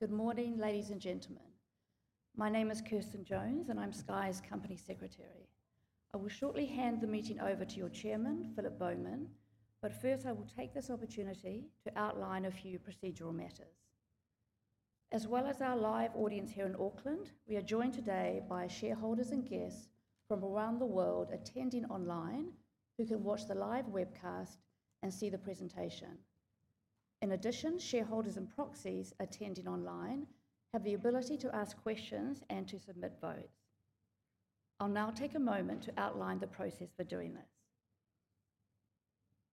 Good morning, ladies and gentlemen. My name is Kirstin Jones, and I'm Sky's Company Secretary. I will shortly hand the meeting over to your Chairman, Philip Bowman, but first I will take this opportunity to outline a few procedural matters. As well as our live audience here in Auckland, we are joined today by shareholders and guests from around the world attending online, who can watch the live webcast and see the presentation. In addition, shareholders and proxies attending online have the ability to ask questions and to submit votes. I'll now take a moment to outline the process for doing this.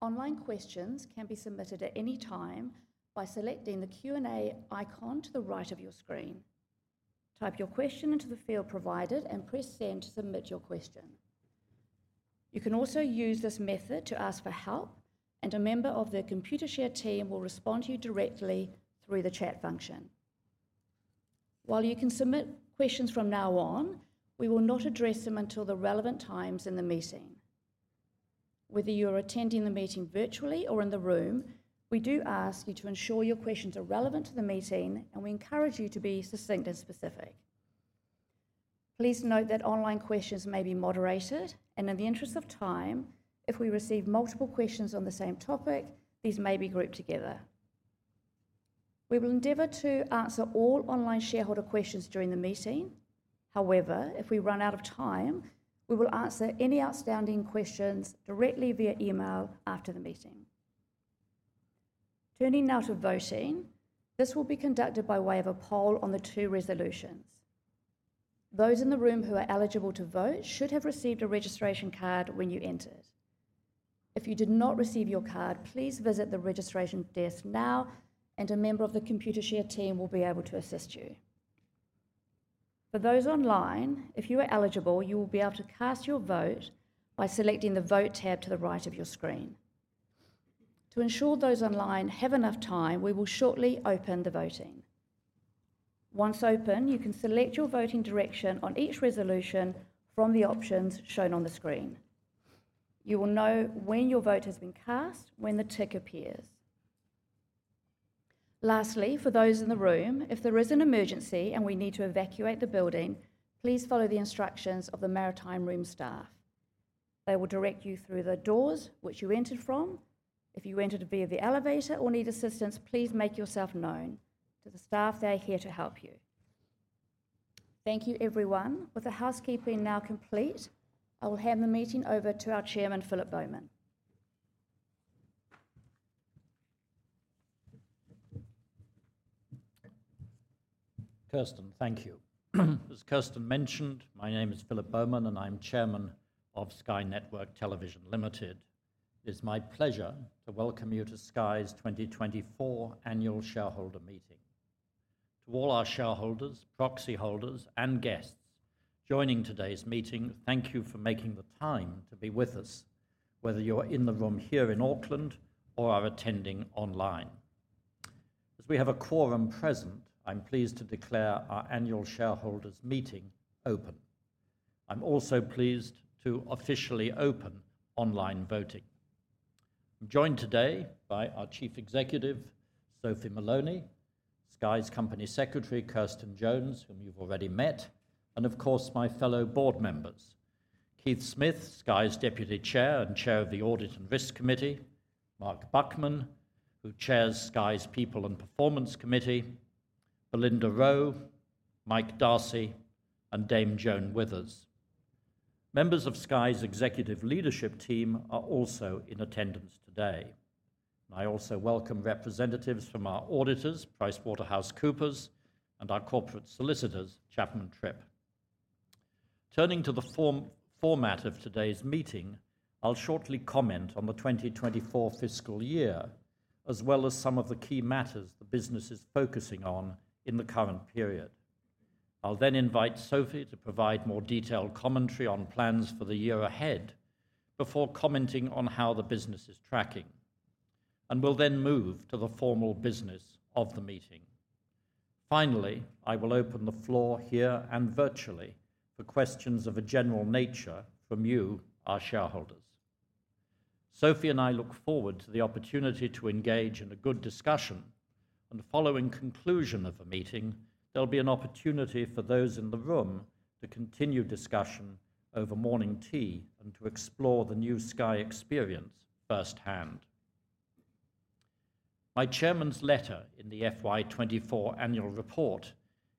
Online questions can be submitted at any time by selecting the Q&A icon to the right of your screen. Type your question into the field provided and press Send to submit your question. You can also use this method to ask for help, and a member of the Computershare team will respond to you directly through the chat function. While you can submit questions from now on, we will not address them until the relevant times in the meeting. Whether you're attending the meeting virtually or in the room, we do ask you to ensure your questions are relevant to the meeting, and we encourage you to be succinct and specific. Please note that online questions may be moderated, and in the interest of time, if we receive multiple questions on the same topic, these may be grouped together. We will endeavor to answer all online shareholder questions during the meeting. However, if we run out of time, we will answer any outstanding questions directly via email after the meeting. Turning now to voting, this will be conducted by way of a poll on the two resolutions. Those in the room who are eligible to vote should have received a registration card when you entered. If you did not receive your card, please visit the registration desk now, and a member of the Computershare team will be able to assist you. For those online, if you are eligible, you will be able to cast your vote by selecting the Vote tab to the right of your screen. To ensure those online have enough time, we will shortly open the voting. Once open, you can select your voting direction on each resolution from the options shown on the screen. You will know when your vote has been cast when the tick appears. Lastly, for those in the room, if there is an emergency and we need to evacuate the building, please follow the instructions of the Maritime Room staff. They will direct you through the doors which you entered from. If you entered via the elevator or need assistance, please make yourself known to the staff. They're here to help you. Thank you, everyone. With the housekeeping now complete, I will hand the meeting over to our Chairman, Philip Bowman. Kirstin, thank you. As Kirstin mentioned, my name is Philip Bowman, and I'm Chairman of Sky Network Television Limited. It is my pleasure to welcome you to Sky's 2024 Annual Shareholder Meeting. To all our shareholders, proxy holders, and guests joining today's meeting, thank you for making the time to be with us, whether you're in the room here in Auckland or are attending online. As we have a quorum present, I'm pleased to declare our Annual Shareholders Meeting open. I'm also pleased to officially open online voting. I'm joined today by our Chief Executive, Sophie Moloney, Sky's Company Secretary, Kirstin Jones, whom you've already met, and of course, my fellow board members, Keith Smith, Sky's Deputy Chair and Chair of the Audit and Risk Committee, Mark Buckman, who chairs Sky's People and Performance Committee, Belinda Rowe, Mike Darcy, and Dame Joan Withers. Members of Sky's executive leadership team are also in attendance today. I also welcome representatives from our auditors, PricewaterhouseCoopers, and our corporate solicitors, Chapman Tripp. Turning to the format of today's meeting, I'll shortly comment on the 2024 fiscal year, as well as some of the key matters the business is focusing on in the current period. I'll then invite Sophie to provide more detailed commentary on plans for the year ahead before commenting on how the business is tracking, and we'll then move to the formal business of the meeting. Finally, I will open the floor here and virtually for questions of a general nature from you, our shareholders. Sophie and I look forward to the opportunity to engage in a good discussion, and following conclusion of the meeting, there'll be an opportunity for those in the room to continue discussion over morning tea and to explore the new Sky experience firsthand. My Chairman's letter in the FY24 Annual Report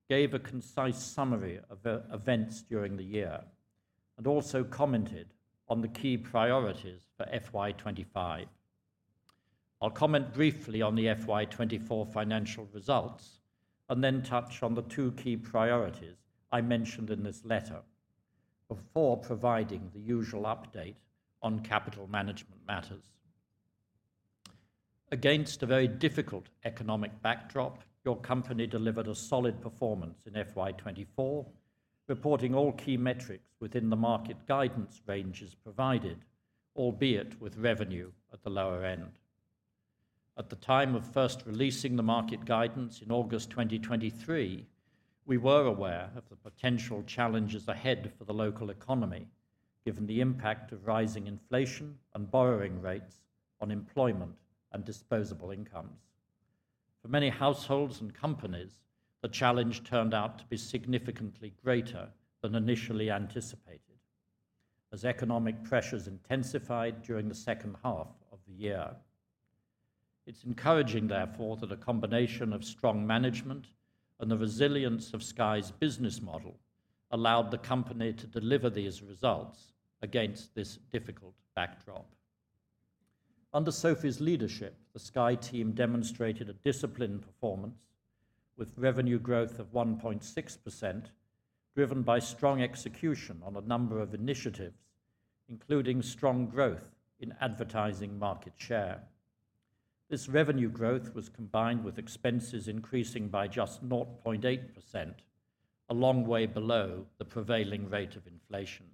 gave a concise summary of events during the year and also commented on the key priorities for FY25. I'll comment briefly on the FY24 financial results and then touch on the two key priorities I mentioned in this letter before providing the usual update on capital management matters. Against a very difficult economic backdrop, your company delivered a solid performance in FY24, reporting all key metrics within the market guidance ranges provided, albeit with revenue at the lower end. At the time of first releasing the market guidance in August 2023, we were aware of the potential challenges ahead for the local economy, given the impact of rising inflation and borrowing rates on employment and disposable incomes. For many households and companies, the challenge turned out to be significantly greater than initially anticipated as economic pressures intensified during the second half of the year. It's encouraging, therefore, that a combination of strong management and the resilience of Sky's business model allowed the company to deliver these results against this difficult backdrop. Under Sophie's leadership, the Sky team demonstrated a disciplined performance with revenue growth of 1.6%, driven by strong execution on a number of initiatives, including strong growth in advertising market share. This revenue growth was combined with expenses increasing by just 0.8%, a long way below the prevailing rate of inflation,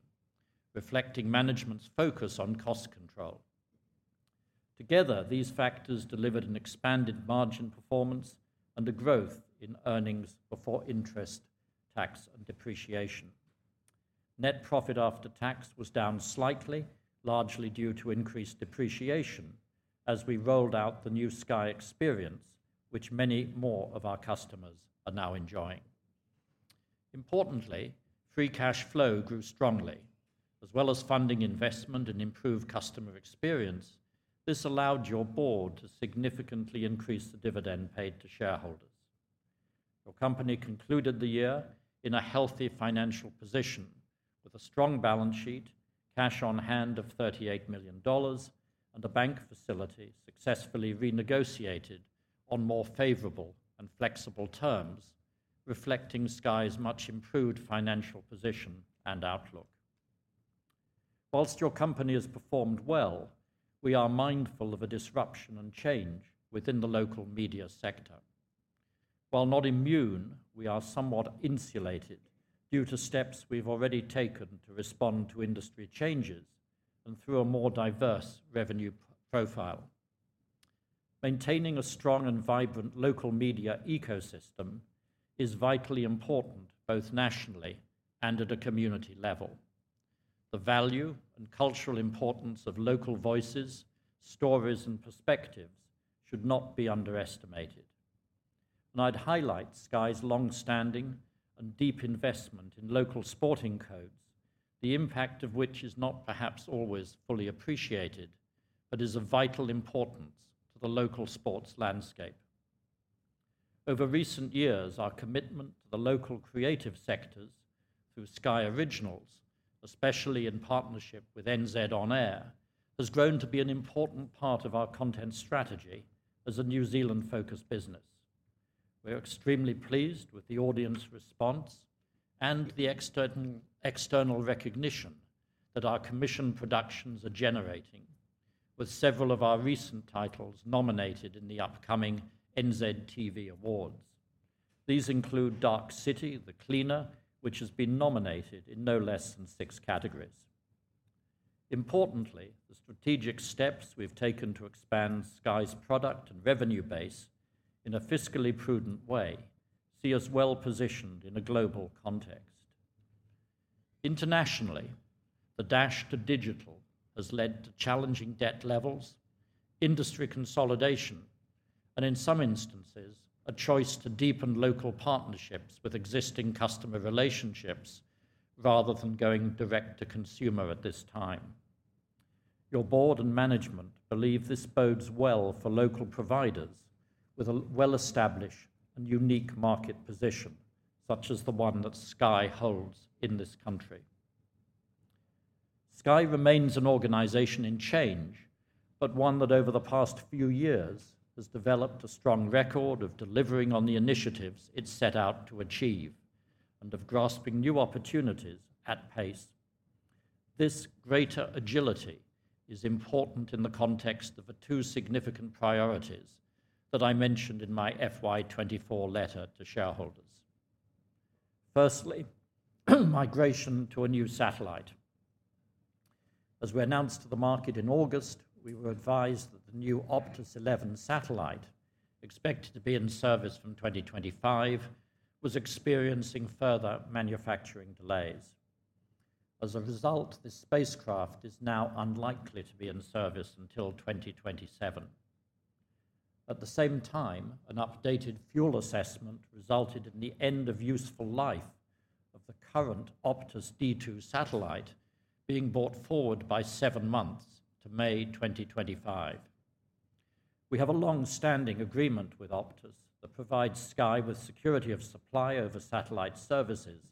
reflecting management's focus on cost control. Together, these factors delivered an expanded margin performance and a growth in earnings before interest, tax, and depreciation. Net profit after tax was down slightly, largely due to increased depreciation as we rolled out the new Sky experience, which many more of our customers are now enjoying. Importantly, free cash flow grew strongly. As well as funding investment and improved customer experience, this allowed your board to significantly increase the dividend paid to shareholders. Your company concluded the year in a healthy financial position with a strong balance sheet, cash on hand of 38 million dollars, and a bank facility successfully renegotiated on more favorable and flexible terms, reflecting Sky's much improved financial position and outlook. While your company has performed well, we are mindful of a disruption and change within the local media sector. While not immune, we are somewhat insulated due to steps we've already taken to respond to industry changes and through a more diverse revenue profile. Maintaining a strong and vibrant local media ecosystem is vitally important both nationally and at a community level. The value and cultural importance of local voices, stories, and perspectives should not be underestimated, and I'd highlight Sky's longstanding and deep investment in local sporting codes, the impact of which is not perhaps always fully appreciated, but is of vital importance to the local sports landscape. Over recent years, our commitment to the local creative sectors through Sky Originals, especially in partnership with NZ On Air, has grown to be an important part of our content strategy as a New Zealand-focused business. We're extremely pleased with the audience response and the external recognition that our commissioned productions are generating, with several of our recent titles nominated in the upcoming NZ TV Awards. These include Dark City: The Cleaner, which has been nominated in no less than six categories. Importantly, the strategic steps we've taken to expand Sky's product and revenue base in a fiscally prudent way see us well positioned in a global context. Internationally, the dash to digital has led to challenging debt levels, industry consolidation, and in some instances, a choice to deepen local partnerships with existing customer relationships rather than going direct to consumer at this time. Your board and management believe this bodes well for local providers with a well-established and unique market position, such as the one that Sky holds in this country. Sky remains an organization in change, but one that over the past few years has developed a strong record of delivering on the initiatives it set out to achieve and of grasping new opportunities at pace. This greater agility is important in the context of the two significant priorities that I mentioned in my FY24 letter to shareholders. Firstly, migration to a new satellite. As we announced to the market in August, we were advised that the new Optus 11 satellite, expected to be in service from 2025, was experiencing further manufacturing delays. As a result, this spacecraft is now unlikely to be in service until 2027. At the same time, an updated fuel assessment resulted in the end of useful life of the current Optus D2 satellite being brought forward by seven months to May 2025. We have a longstanding agreement with Optus that provides Sky with security of supply over satellite services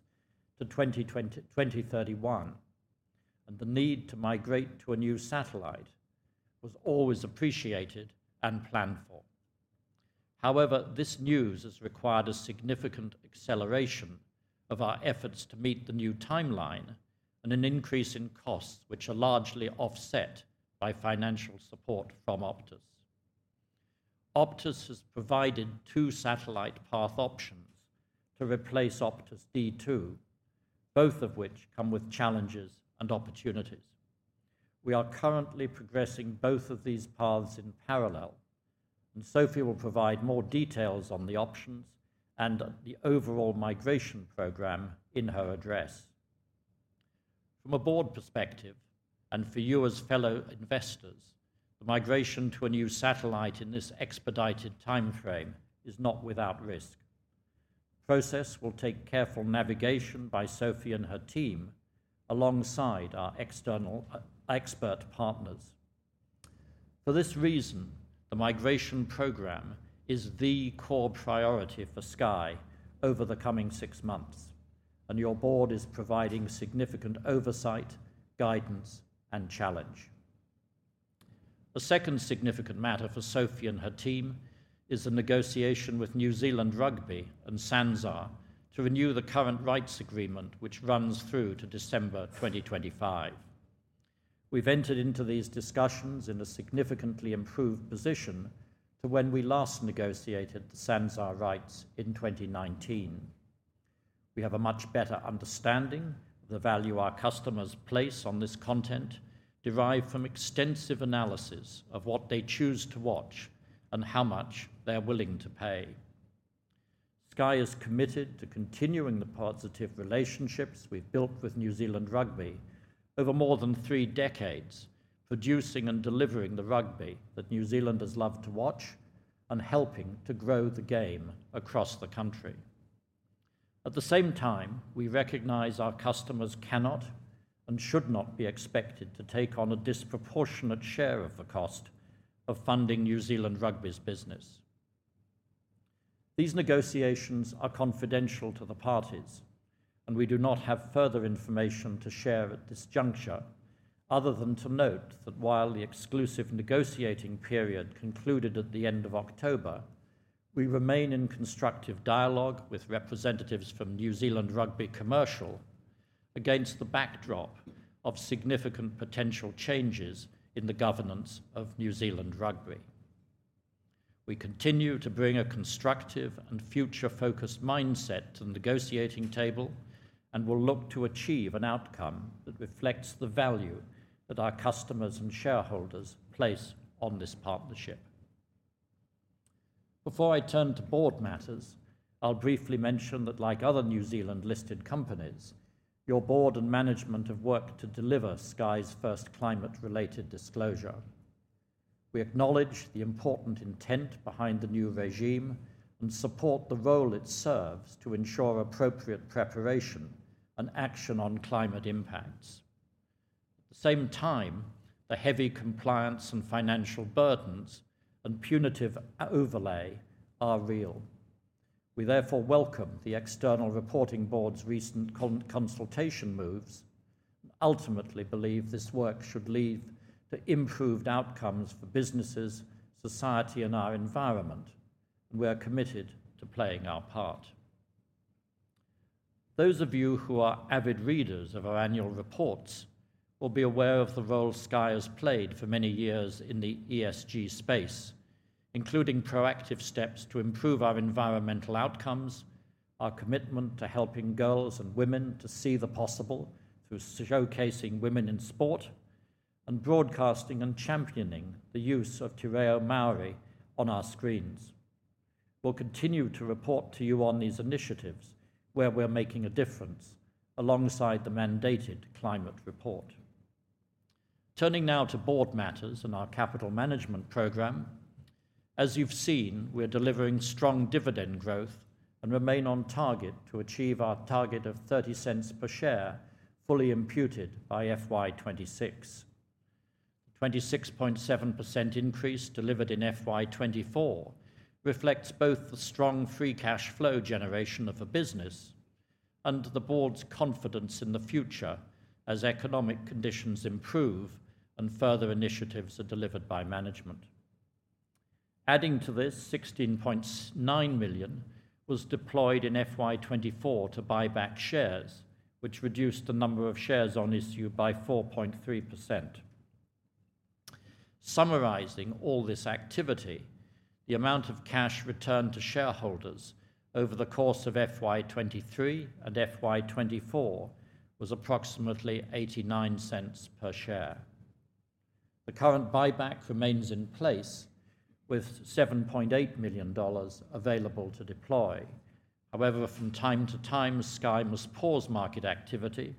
to 2031, and the need to migrate to a new satellite was always appreciated and planned for. However, this news has required a significant acceleration of our efforts to meet the new timeline and an increase in costs, which are largely offset by financial support from Optus. Optus has provided two satellite path options to replace Optus D2, both of which come with challenges and opportunities. We are currently progressing both of these paths in parallel, and Sophie will provide more details on the options and the overall migration program in her address. From a board perspective, and for you as fellow investors, the migration to a new satellite in this expedited timeframe is not without risk. The process will take careful navigation by Sophie and her team alongside our external expert partners. For this reason, the migration program is the core priority for Sky over the coming six months, and your board is providing significant oversight, guidance, and challenge. A second significant matter for Sophie and her team is the negotiation with New Zealand Rugby and SANZAAR to renew the current rights agreement, which runs through to December 2025. We've entered into these discussions in a significantly improved position to when we last negotiated the SANZAAR rights in 2019. We have a much better understanding of the value our customers place on this content derived from extensive analysis of what they choose to watch and how much they're willing to pay. Sky is committed to continuing the positive relationships we've built with New Zealand Rugby over more than three decades, producing and delivering the rugby that New Zealand has loved to watch and helping to grow the game across the country. At the same time, we recognize our customers cannot and should not be expected to take on a disproportionate share of the cost of funding New Zealand Rugby's business. These negotiations are confidential to the parties, and we do not have further information to share at this juncture other than to note that while the exclusive negotiating period concluded at the end of October, we remain in constructive dialogue with representatives from New Zealand Rugby Commercial against the backdrop of significant potential changes in the governance of New Zealand Rugby. We continue to bring a constructive and future-focused mindset to the negotiating table and will look to achieve an outcome that reflects the value that our customers and shareholders place on this partnership. Before I turn to board matters, I'll briefly mention that, like other New Zealand-listed companies, your board and management have worked to deliver Sky's first climate-related disclosure. We acknowledge the important intent behind the new regime and support the role it serves to ensure appropriate preparation and action on climate impacts. At the same time, the heavy compliance and financial burdens and punitive overlay are real. We therefore welcome the external reporting board's recent consultation moves and ultimately believe this work should lead to improved outcomes for businesses, society, and our environment, and we are committed to playing our part. Those of you who are avid readers of our annual reports will be aware of the role Sky has played for many years in the ESG space, including proactive steps to improve our environmental outcomes, our commitment to helping girls and women to see the possible through showcasing women in sport, and broadcasting and championing the use of Te Reo Māori on our screens. We'll continue to report to you on these initiatives where we're making a difference alongside the mandated climate report. Turning now to board matters and our capital management program, as you've seen, we're delivering strong dividend growth and remain on target to achieve our target of 0.30 per share fully imputed by FY26. The 26.7% increase delivered in FY24 reflects both the strong free cash flow generation of a business and the board's confidence in the future as economic conditions improve and further initiatives are delivered by management. Adding to this, 16.9 million was deployed in FY24 to buy back shares, which reduced the number of shares on issue by 4.3%. Summarizing all this activity, the amount of cash returned to shareholders over the course of FY23 and FY24 was approximately 0.89 per share. The current buyback remains in place with 7.8 million dollars available to deploy. However, from time to time, Sky must pause market activity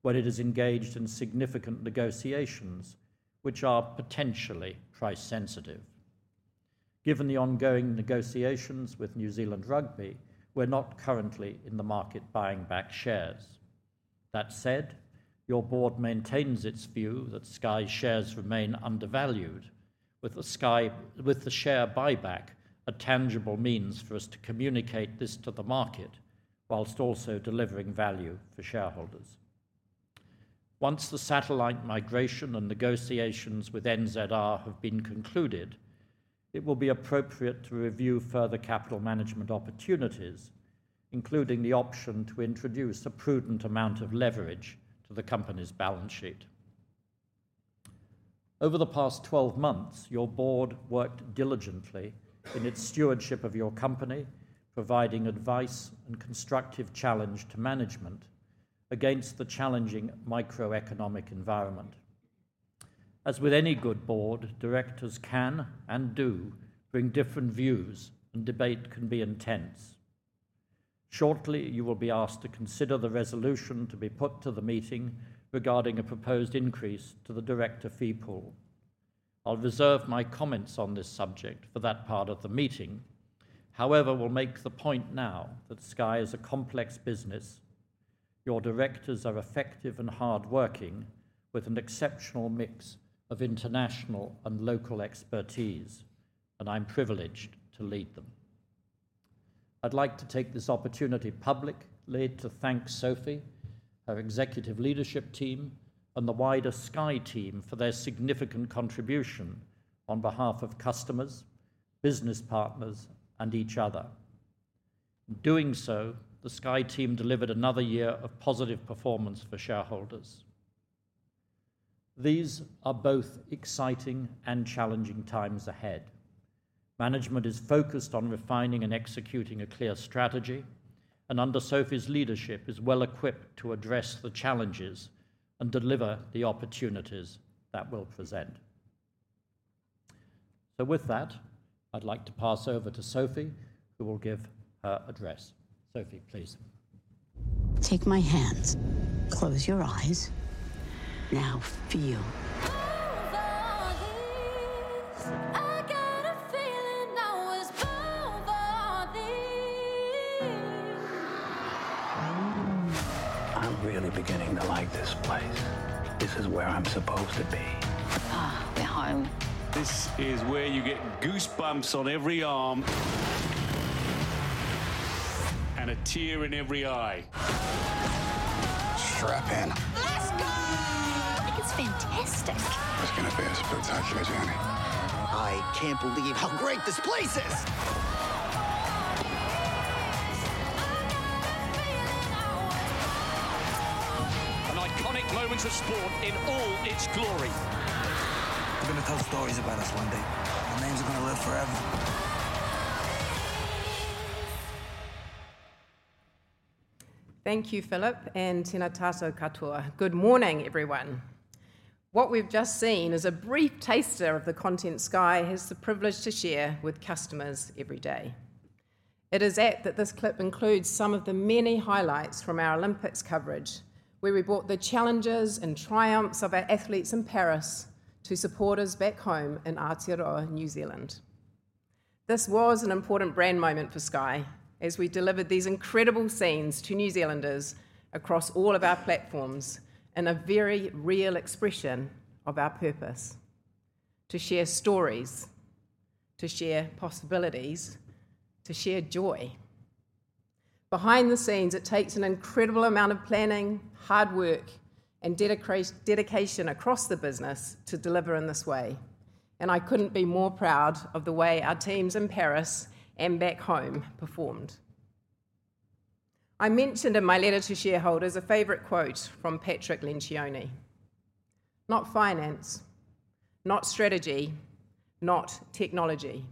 when it is engaged in significant negotiations, which are potentially price-sensitive. Given the ongoing negotiations with New Zealand Rugby, we're not currently in the market buying back shares. That said, your board maintains its view that Sky's shares remain undervalued, with the share buyback a tangible means for us to communicate this to the market whilst also delivering value for shareholders. Once the satellite migration and negotiations with NZR have been concluded, it will be appropriate to review further capital management opportunities, including the option to introduce a prudent amount of leverage to the company's balance sheet. Over the past 12 months, your board worked diligently in its stewardship of your company, providing advice and constructive challenge to management against the challenging microeconomic environment. As with any good board, directors can and do bring different views, and debate can be intense. Shortly, you will be asked to consider the resolution to be put to the meeting regarding a proposed increase to the director fee pool. I'll reserve my comments on this subject for that part of the meeting. However, I will make the point now that Sky is a complex business. Your directors are effective and hardworking with an exceptional mix of international and local expertise, and I'm privileged to lead them. I'd like to take this opportunity publicly to thank Sophie, her executive leadership team, and the wider Sky team for their significant contribution on behalf of customers, business partners, and each other. In doing so, the Sky team delivered another year of positive performance for shareholders. These are both exciting and challenging times ahead. Management is focused on refining and executing a clear strategy, and under Sophie's leadership, is well equipped to address the challenges and deliver the opportunities that will present. So with that, I'd like to pass over to Sophie, who will give her address. Sophie, please. Thank you, Philip and Tēnā koutou katoa. Good morning, everyone. What we've just seen is a brief taster of the content Sky has the privilege to share with customers every day. It is apt that this clip includes some of the many highlights from our Olympics coverage, where we brought the challenges and triumphs of our athletes in Paris to supporters back home in Aotearoa, New Zealand. This was an important brand moment for Sky as we delivered these incredible scenes to New Zealanders across all of our platforms in a very real expression of our purpose: to share stories, to share possibilities, to share joy. Behind the scenes, it takes an incredible amount of planning, hard work, and dedication across the business to deliver in this way. And I couldn't be more proud of the way our teams in Paris and back home performed. I mentioned in my letter to shareholders a favorite quote from Patrick Lencioni. Not finance, not strategy, not technology.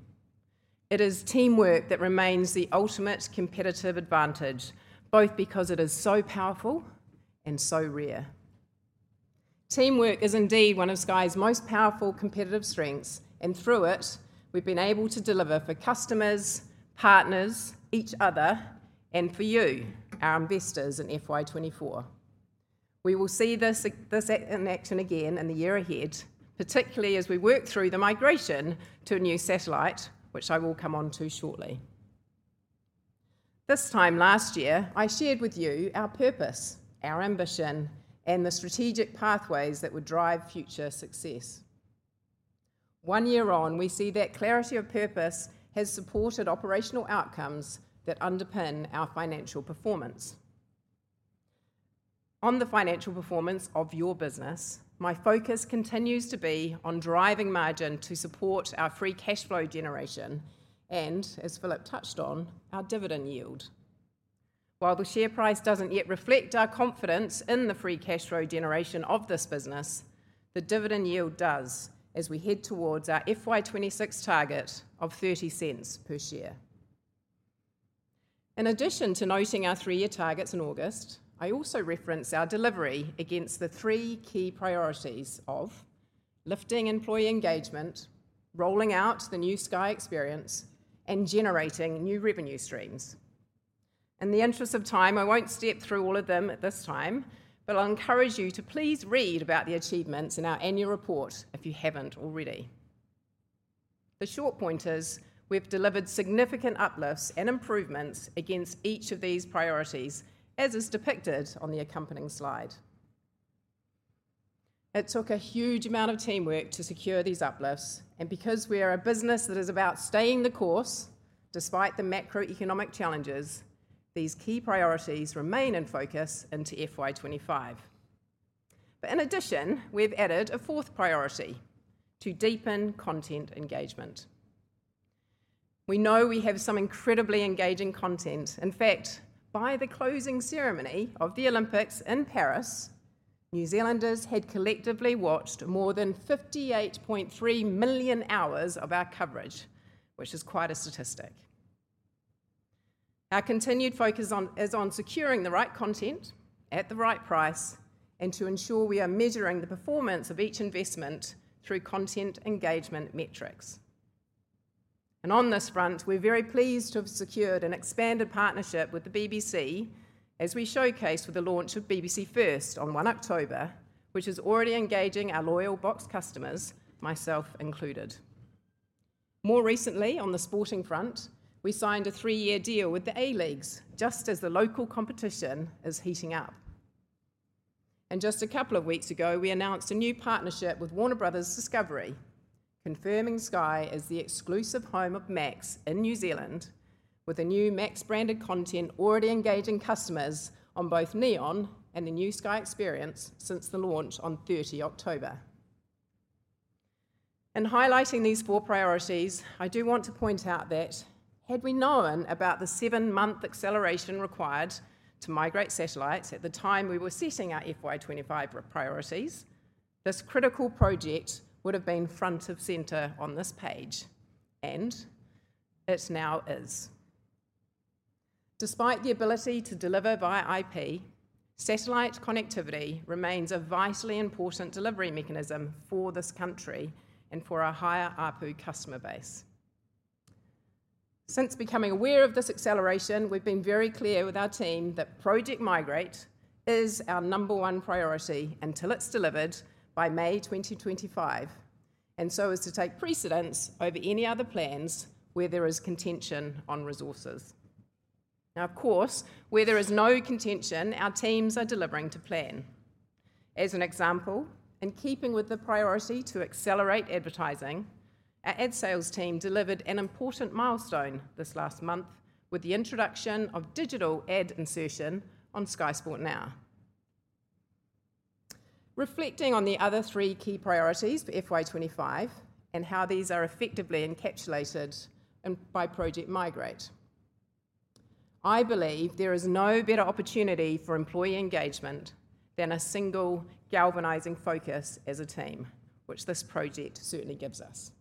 It is teamwork that remains the ultimate competitive advantage, both because it is so powerful and so rare. Teamwork is indeed one of Sky's most powerful competitive strengths, and through it, we've been able to deliver for customers, partners, each other, and for you, our investors in FY24. We will see this in action again in the year ahead, particularly as we work through the migration to a new satellite, which I will come on to shortly. This time last year, I shared with you our purpose, our ambition, and the strategic pathways that would drive future success. One year on, we see that clarity of purpose has supported operational outcomes that underpin our financial performance. On the financial performance of your business, my focus continues to be on driving margin to support our free cash flow generation and, as Philip touched on, our dividend yield. While the share price doesn't yet reflect our confidence in the free cash flow generation of this business, the dividend yield does as we head towards our FY26 target of 0.30 per share. In addition to noting our three-year targets in August, I also reference our delivery against the three key priorities of lifting employee engagement, rolling out the new Sky experience, and generating new revenue streams. In the interest of time, I won't step through all of them at this time, but I'll encourage you to please read about the achievements in our annual report if you haven't already. The short point is we've delivered significant uplifts and improvements against each of these priorities, as is depicted on the accompanying slide. It took a huge amount of teamwork to secure these uplifts, and because we are a business that is about staying the course despite the macroeconomic challenges, these key priorities remain in focus into FY25. But in addition, we've added a fourth priority: to deepen content engagement. We know we have some incredibly engaging content. In fact, by the closing ceremony of the Olympics in Paris, New Zealanders had collectively watched more than 58.3 million hours of our coverage, which is quite a statistic. Our continued focus is on securing the right content at the right price and to ensure we are measuring the performance of each investment through content engagement metrics. On this front, we're very pleased to have secured an expanded partnership with the BBC as we showcased with the launch of BBC First on 1 October, which is already engaging our loyal Box customers, myself included. More recently, on the sporting front, we signed a three-year deal with the A-Leagues just as the local competition is heating up. And just a couple of weeks ago, we announced a new partnership with Warner Bros. Discovery, confirming Sky as the exclusive home of Max in New Zealand, with a new Max-branded content already engaging customers on both Neon and the new Sky experience since the launch on 30 October. In highlighting these four priorities, I do want to point out that had we known about the seven-month acceleration required to migrate satellites at the time we were setting our FY25 priorities, this critical project would have been front and center on this page, and it now is. Despite the ability to deliver via IP, satellite connectivity remains a vitally important delivery mechanism for this country and for our higher ARPU customer base. Since becoming aware of this acceleration, we've been very clear with our team that Project Migrate is our number one priority until it's delivered by May 2025, and so as to take precedence over any other plans where there is contention on resources. Now, of course, where there is no contention, our teams are delivering to plan. As an example, in keeping with the priority to accelerate advertising, our ad sales team delivered an important milestone this last month with the introduction of digital ad insertion on Sky Sport Now. Reflecting on the other three key priorities for FY25 and how these are effectively encapsulated by Project Migrate, I believe there is no better opportunity for employee engagement than a single galvanizing focus as a team, which this project certainly gives us.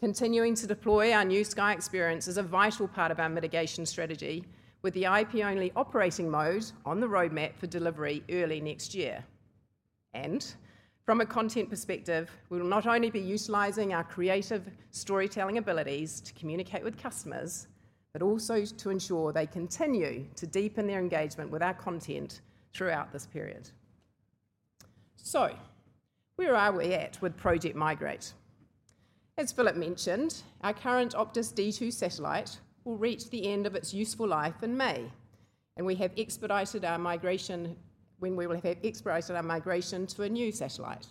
Continuing to deploy our new Sky experience is a vital part of our mitigation strategy, with the IP-only operating mode on the roadmap for delivery early next year. And from a content perspective, we will not only be utilizing our creative storytelling abilities to communicate with customers, but also to ensure they continue to deepen their engagement with our content throughout this period. So, where are we at with Project Migrate? As Philip mentioned, our current Optus D2 satellite will reach the end of its useful life in May, and we have expedited our migration to a new satellite.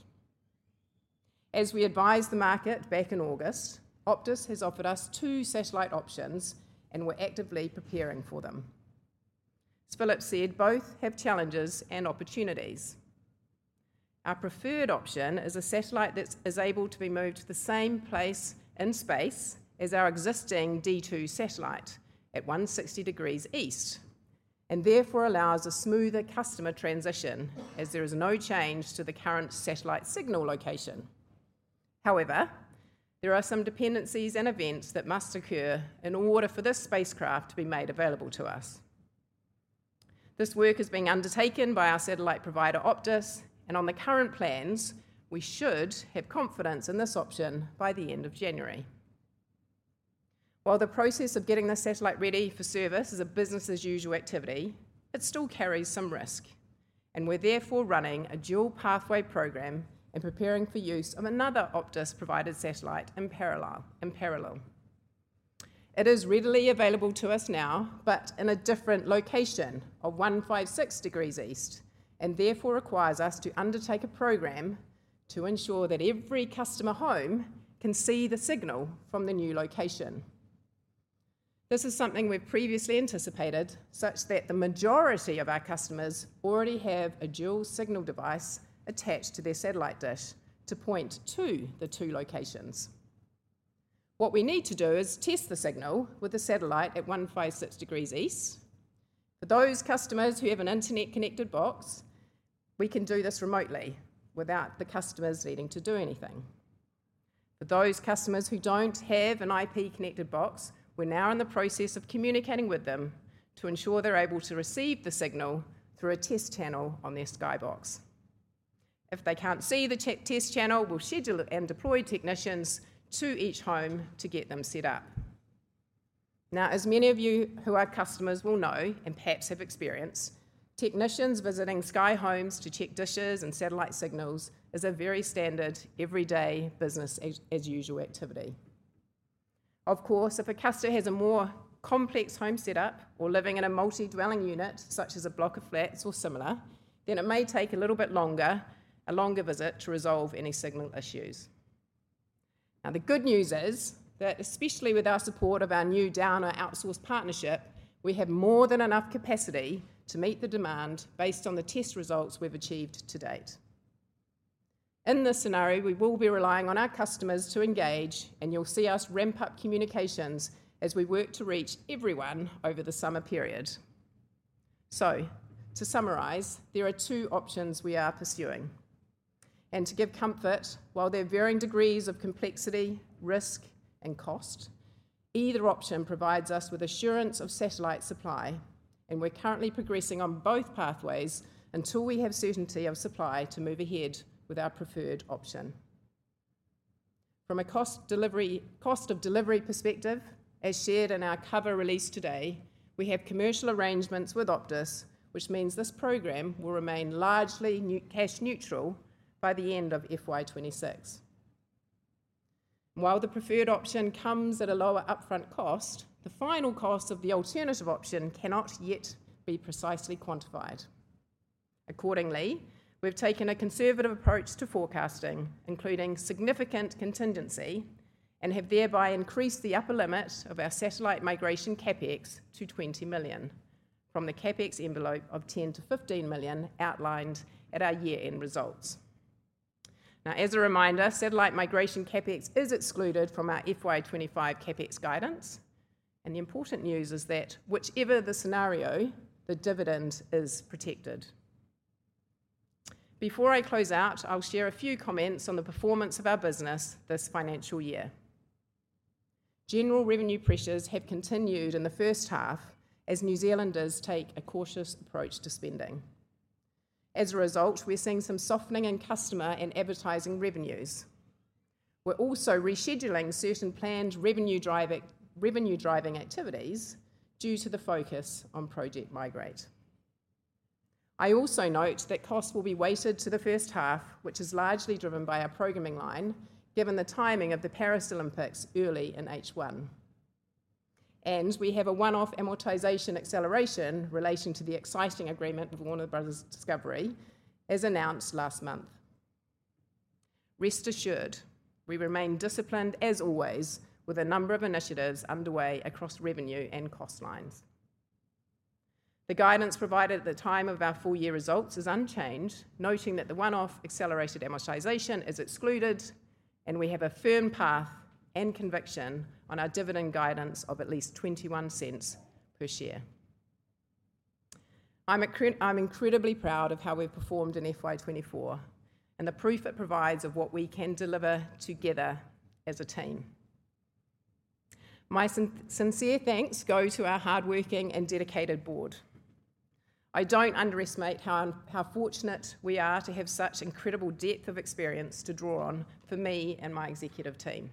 As we advised the market back in August, Optus has offered us two satellite options, and we're actively preparing for them. As Philip said, both have challenges and opportunities. Our preferred option is a satellite that is able to be moved to the same place in space as our existing D2 satellite at 160 degrees east, and therefore allows a smoother customer transition as there is no change to the current satellite signal location. However, there are some dependencies and events that must occur in order for this spacecraft to be made available to us. This work is being undertaken by our satellite provider, Optus, and on the current plans, we should have confidence in this option by the end of January. While the process of getting the satellite ready for service is a business-as-usual activity, it still carries some risk, and we're therefore running a dual pathway program and preparing for use of another Optus-provided satellite in parallel. It is readily available to us now, but in a different location of 156 degrees east, and therefore requires us to undertake a program to ensure that every customer home can see the signal from the new location. This is something we've previously anticipated, such that the majority of our customers already have a dual signal device attached to their satellite dish to point to the two locations. What we need to do is test the signal with the satellite at 156 degrees east. For those customers who have an internet-connected box, we can do this remotely without the customers needing to do anything. For those customers who don't have an IP-connected box, we're now in the process of communicating with them to ensure they're able to receive the signal through a test channel on their Sky Box. If they can't see the test channel, we'll schedule and deploy technicians to each home to get them set up. Now, as many of you who are customers will know and perhaps have experienced, technicians visiting Sky Homes to check dishes and satellite signals is a very standard everyday business-as-usual activity. Of course, if a customer has a more complex home setup or living in a multi-dwelling unit, such as a block of flats or similar, then it may take a little bit longer, a longer visit to resolve any signal issues. Now, the good news is that, especially with our support of our new Downer outsourcing partnership, we have more than enough capacity to meet the demand based on the test results we've achieved to date. In this scenario, we will be relying on our customers to engage, and you'll see us ramp up communications as we work to reach everyone over the summer period. So, to summarize, there are two options we are pursuing. And to give comfort, while there are varying degrees of complexity, risk, and cost, either option provides us with assurance of satellite supply, and we're currently progressing on both pathways until we have certainty of supply to move ahead with our preferred option. From a cost of delivery perspective, as shared in our cover release today, we have commercial arrangements with Optus, which means this program will remain largely cash neutral by the end of FY26. While the preferred option comes at a lower upfront cost, the final cost of the alternative option cannot yet be precisely quantified. Accordingly, we've taken a conservative approach to forecasting, including significant contingency, and have thereby increased the upper limit of our satellite migration CapEx to 20 million, from the CapEx envelope of 10-15 million outlined at our year-end results. Now, as a reminder, satellite migration CapEx is excluded from our FY25 CapEx guidance, and the important news is that whichever the scenario, the dividend is protected. Before I close out, I'll share a few comments on the performance of our business this financial year. General revenue pressures have continued in the first half as New Zealanders take a cautious approach to spending. As a result, we're seeing some softening in customer and advertising revenues. We're also rescheduling certain planned revenue-driving activities due to the focus on Project Migrate. I also note that costs will be weighted to the first half, which is largely driven by our programming line, given the timing of the Paris Olympics early in H1. And we have a one-off amortization acceleration relating to the exciting agreement with Warner Bros. Discovery, as announced last month. Rest assured, we remain disciplined as always, with a number of initiatives underway across revenue and cost lines. The guidance provided at the time of our full-year results is unchanged, noting that the one-off accelerated amortization is excluded, and we have a firm path and conviction on our dividend guidance of at least 0.21 per share. I'm incredibly proud of how we've performed in FY24 and the proof it provides of what we can deliver together as a team. My sincere thanks go to our hardworking and dedicated board. I don't underestimate how fortunate we are to have such incredible depth of experience to draw on for me and my executive team.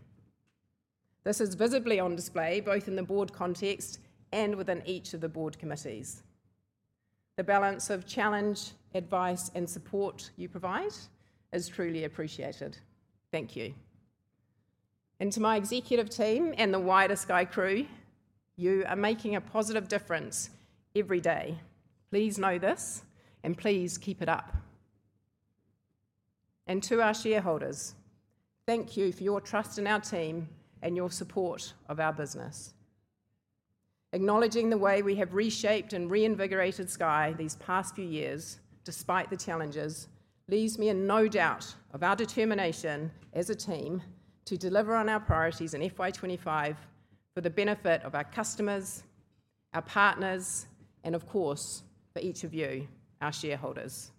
This is visibly on display both in the board context and within each of the board committees. The balance of challenge, advice, and support you provide is truly appreciated. Thank you. And to my executive team and the wider Sky crew, you are making a positive difference every day. Please know this, and please keep it up. And to our shareholders, thank you for your trust in our team and your support of our business. Acknowledging the way we have reshaped and reinvigorated Sky these past few years, despite the challenges, leaves me in no doubt of our determination as a team to deliver on our priorities in FY25 for the benefit of our customers, our partners, and of course, for each of you, our shareholders.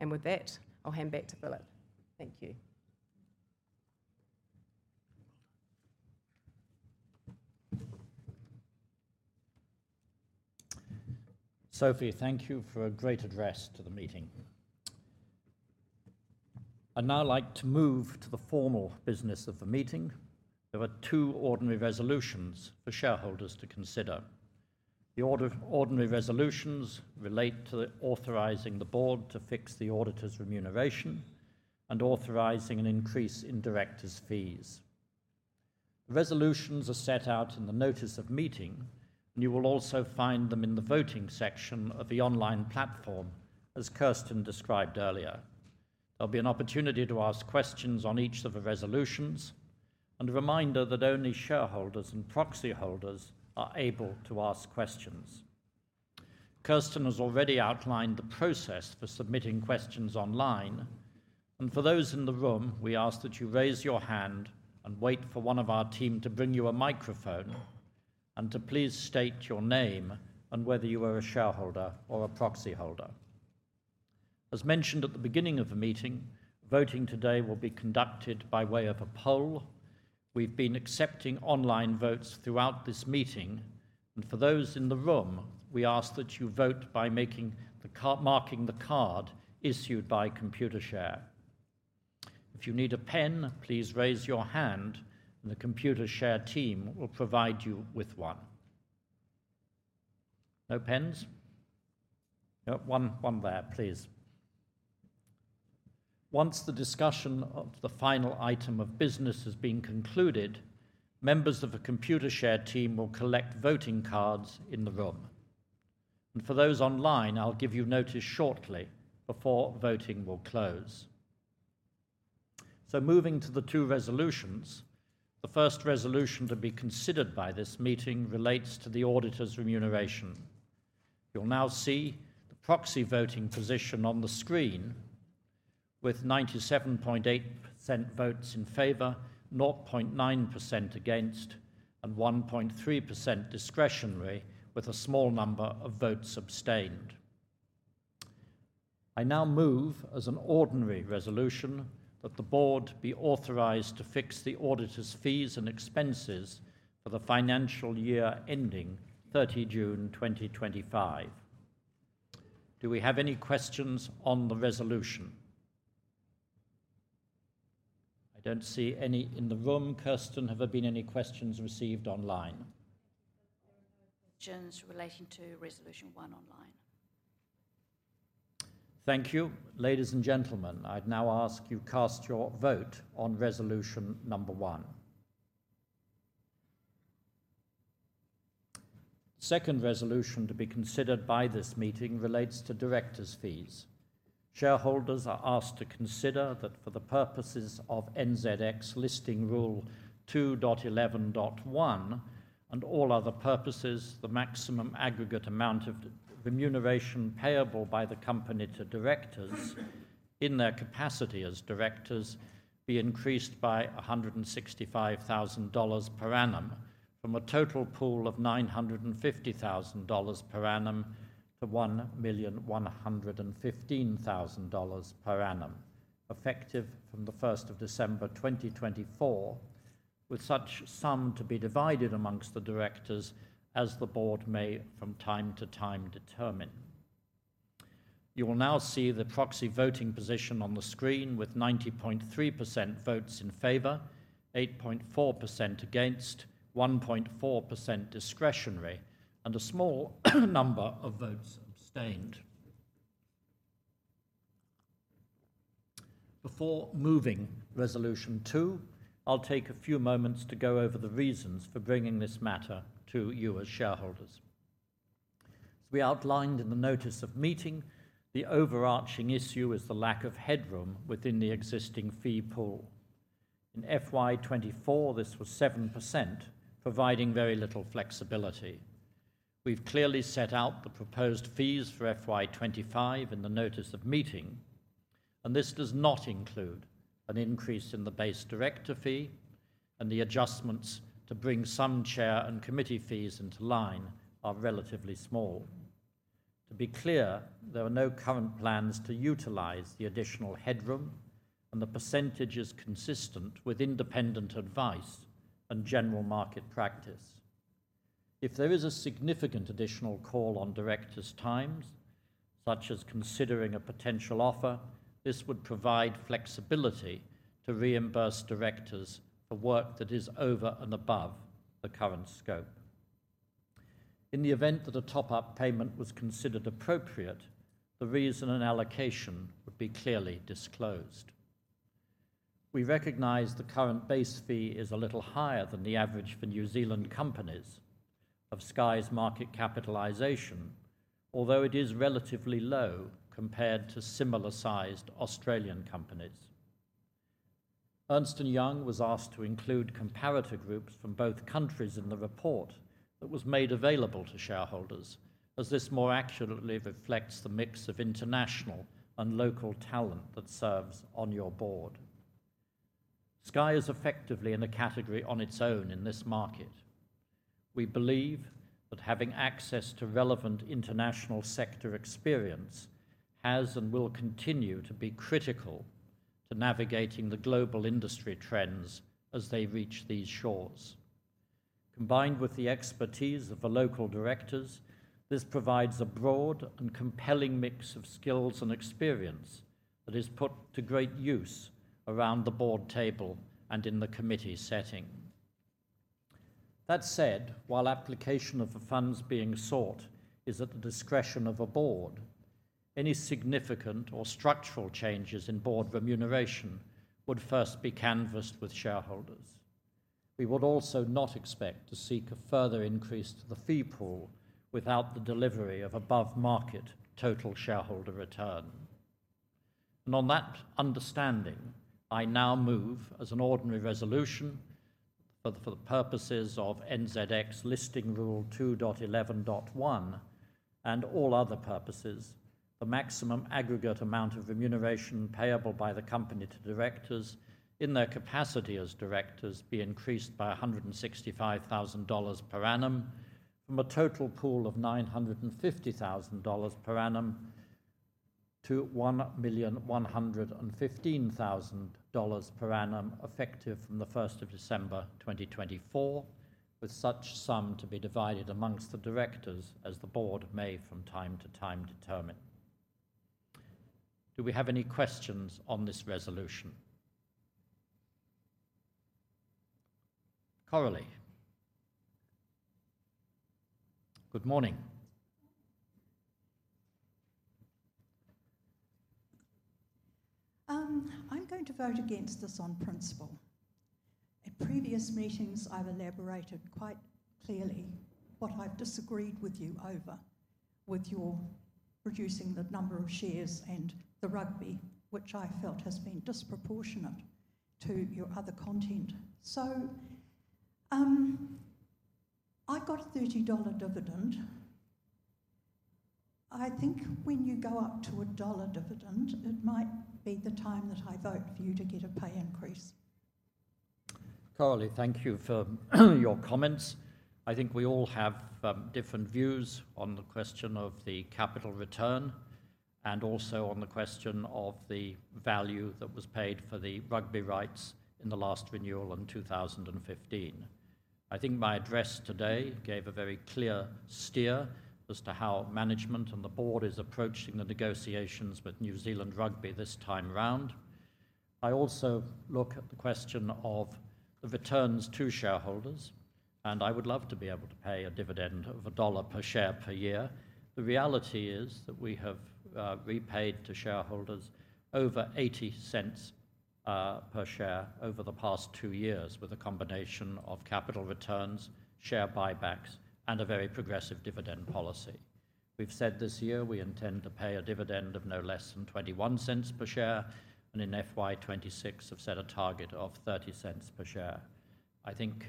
And with that, I'll hand back to Philip. Thank you. Sophie, thank you for a great address to the meeting. I'd now like to move to the formal business of the meeting. There are two ordinary resolutions for shareholders to consider. The ordinary resolutions relate to authorizing the board to fix the auditor's remuneration and authorizing an increase in director's fees. The resolutions are set out in the notice of meeting, and you will also find them in the voting section of the online platform, as Kirstin described earlier. There'll be an opportunity to ask questions on each of the resolutions and a reminder that only shareholders and proxy holders are able to ask questions. Kirstin has already outlined the process for submitting questions online, and for those in the room, we ask that you raise your hand and wait for one of our team to bring you a microphone and to please state your name and whether you are a shareholder or a proxy holder. As mentioned at the beginning of the meeting, voting today will be conducted by way of a poll. We've been accepting online votes throughout this meeting, and for those in the room, we ask that you vote by marking the card issued by Computershare. If you need a pen, please raise your hand, and the Computershare team will provide you with one. No pens? One there, please. Once the discussion of the final item of business has been concluded, members of the Computershare team will collect voting cards in the room. For those online, I'll give you notice shortly before voting will close. Moving to the two resolutions, the first resolution to be considered by this meeting relates to the auditor's remuneration. You'll now see the proxy voting position on the screen with 97.8% votes in favor, 0.9% against, and 1.3% discretionary, with a small number of votes abstained. I now move, as an ordinary resolution, that the board be authorized to fix the auditor's fees and expenses for the financial year ending 30 June 2025. Do we have any questions on the resolution? I don't see any in the room. Kirstin, have there been any questions received online? There are no questions relating to resolution one online. Thank you. Ladies and gentlemen, I'd now ask you to cast your vote on resolution number one. The second resolution to be considered by this meeting relates to directors' fees. Shareholders are asked to consider that for the purposes of NZX listing rule 2.11.1 and all other purposes, the maximum aggregate amount of remuneration payable by the company to directors in their capacity as directors be increased by 165,000 dollars per annum from a total pool of 950,000 dollars per annum to 1,115,000 dollars per annum, effective from the 1st of December 2024, with such sum to be divided amongst the directors as the board may from time to time determine. You will now see the proxy voting position on the screen with 90.3% votes in favour, 8.4% against, 1.4% discretionary, and a small number of votes abstained. Before moving to resolution two, I'll take a few moments to go over the reasons for bringing this matter to you as shareholders. As we outlined in the notice of meeting, the overarching issue is the lack of headroom within the existing fee pool. In FY24, this was 7%, providing very little flexibility. We've clearly set out the proposed fees for FY25 in the notice of meeting, and this does not include an increase in the base director fee, and the adjustments to bring some chair and committee fees into line are relatively small. To be clear, there are no current plans to utilize the additional headroom, and the percentage is consistent with independent advice and general market practice. If there is a significant additional call on directors' times, such as considering a potential offer, this would provide flexibility to reimburse directors for work that is over and above the current scope. In the event that a top-up payment was considered appropriate, the reason and allocation would be clearly disclosed. We recognize the current base fee is a little higher than the average for New Zealand companies of Sky's market capitalization, although it is relatively low compared to similar-sized Australian companies. Ernst & Young was asked to include comparator groups from both countries in the report that was made available to shareholders, as this more accurately reflects the mix of international and local talent that serves on your board. Sky is effectively in a category on its own in this market. We believe that having access to relevant international sector experience has and will continue to be critical to navigating the global industry trends as they reach these shores. Combined with the expertise of the local directors, this provides a broad and compelling mix of skills and experience that is put to great use around the board table and in the committee setting. That said, while application of the funds being sought is at the discretion of a board, any significant or structural changes in board remuneration would first be canvassed with shareholders. We would also not expect to seek a further increase to the fee pool without the delivery of above-market total shareholder return. On that understanding, I now move, as an ordinary resolution, for the purposes of NZX listing rule 2.11.1 and all other purposes, the maximum aggregate amount of remuneration payable by the company to directors in their capacity as directors be increased by 165,000 dollars per annum from a total pool of 950,000 dollars per annum to 1,115,000 dollars per annum effective from the 1st of December 2024, with such sum to be divided among the directors as the board may from time to time determine. Do we have any questions on this resolution? Coralie, good morning. I'm going to vote against this on principle. At previous meetings, I've elaborated quite clearly what I've disagreed with you over, with your reducing the number of shares and the rugby, which I felt has been disproportionate to your other content. So I got a 30 dollar dividend. I think when you go up to a NZD 1 dividend, it might be the time that I vote for you to get a pay increase. Coralie, thank you for your comments. I think we all have different views on the question of the capital return and also on the question of the value that was paid for the rugby rights in the last renewal in 2015. I think my address today gave a very clear steer as to how management and the board is approaching the negotiations with New Zealand Rugby this time around. I also look at the question of the returns to shareholders, and I would love to be able to pay a dividend of NZD 1 per share per year. The reality is that we have repaid to shareholders over 0.80 per share over the past two years with a combination of capital returns, share buybacks, and a very progressive dividend policy. We've said this year we intend to pay a dividend of no less than 0.21 per share, and in FY26 have set a target of 0.30 per share. I think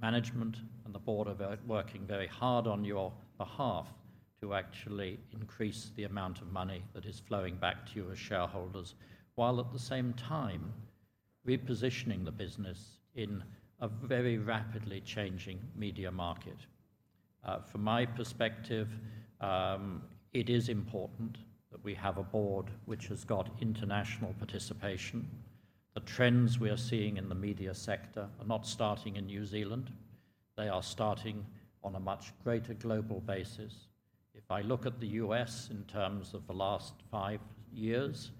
management and the board are working very hard on your behalf to actually increase the amount of money that is flowing back to you as shareholders, while at the same time repositioning the business in a very rapidly changing media market. From my perspective, it is important that we have a board which has got international participation. The trends we are seeing in the media sector are not starting in New Zealand. They are starting on a much greater global basis. If I look at the U.S. in terms of the last five years,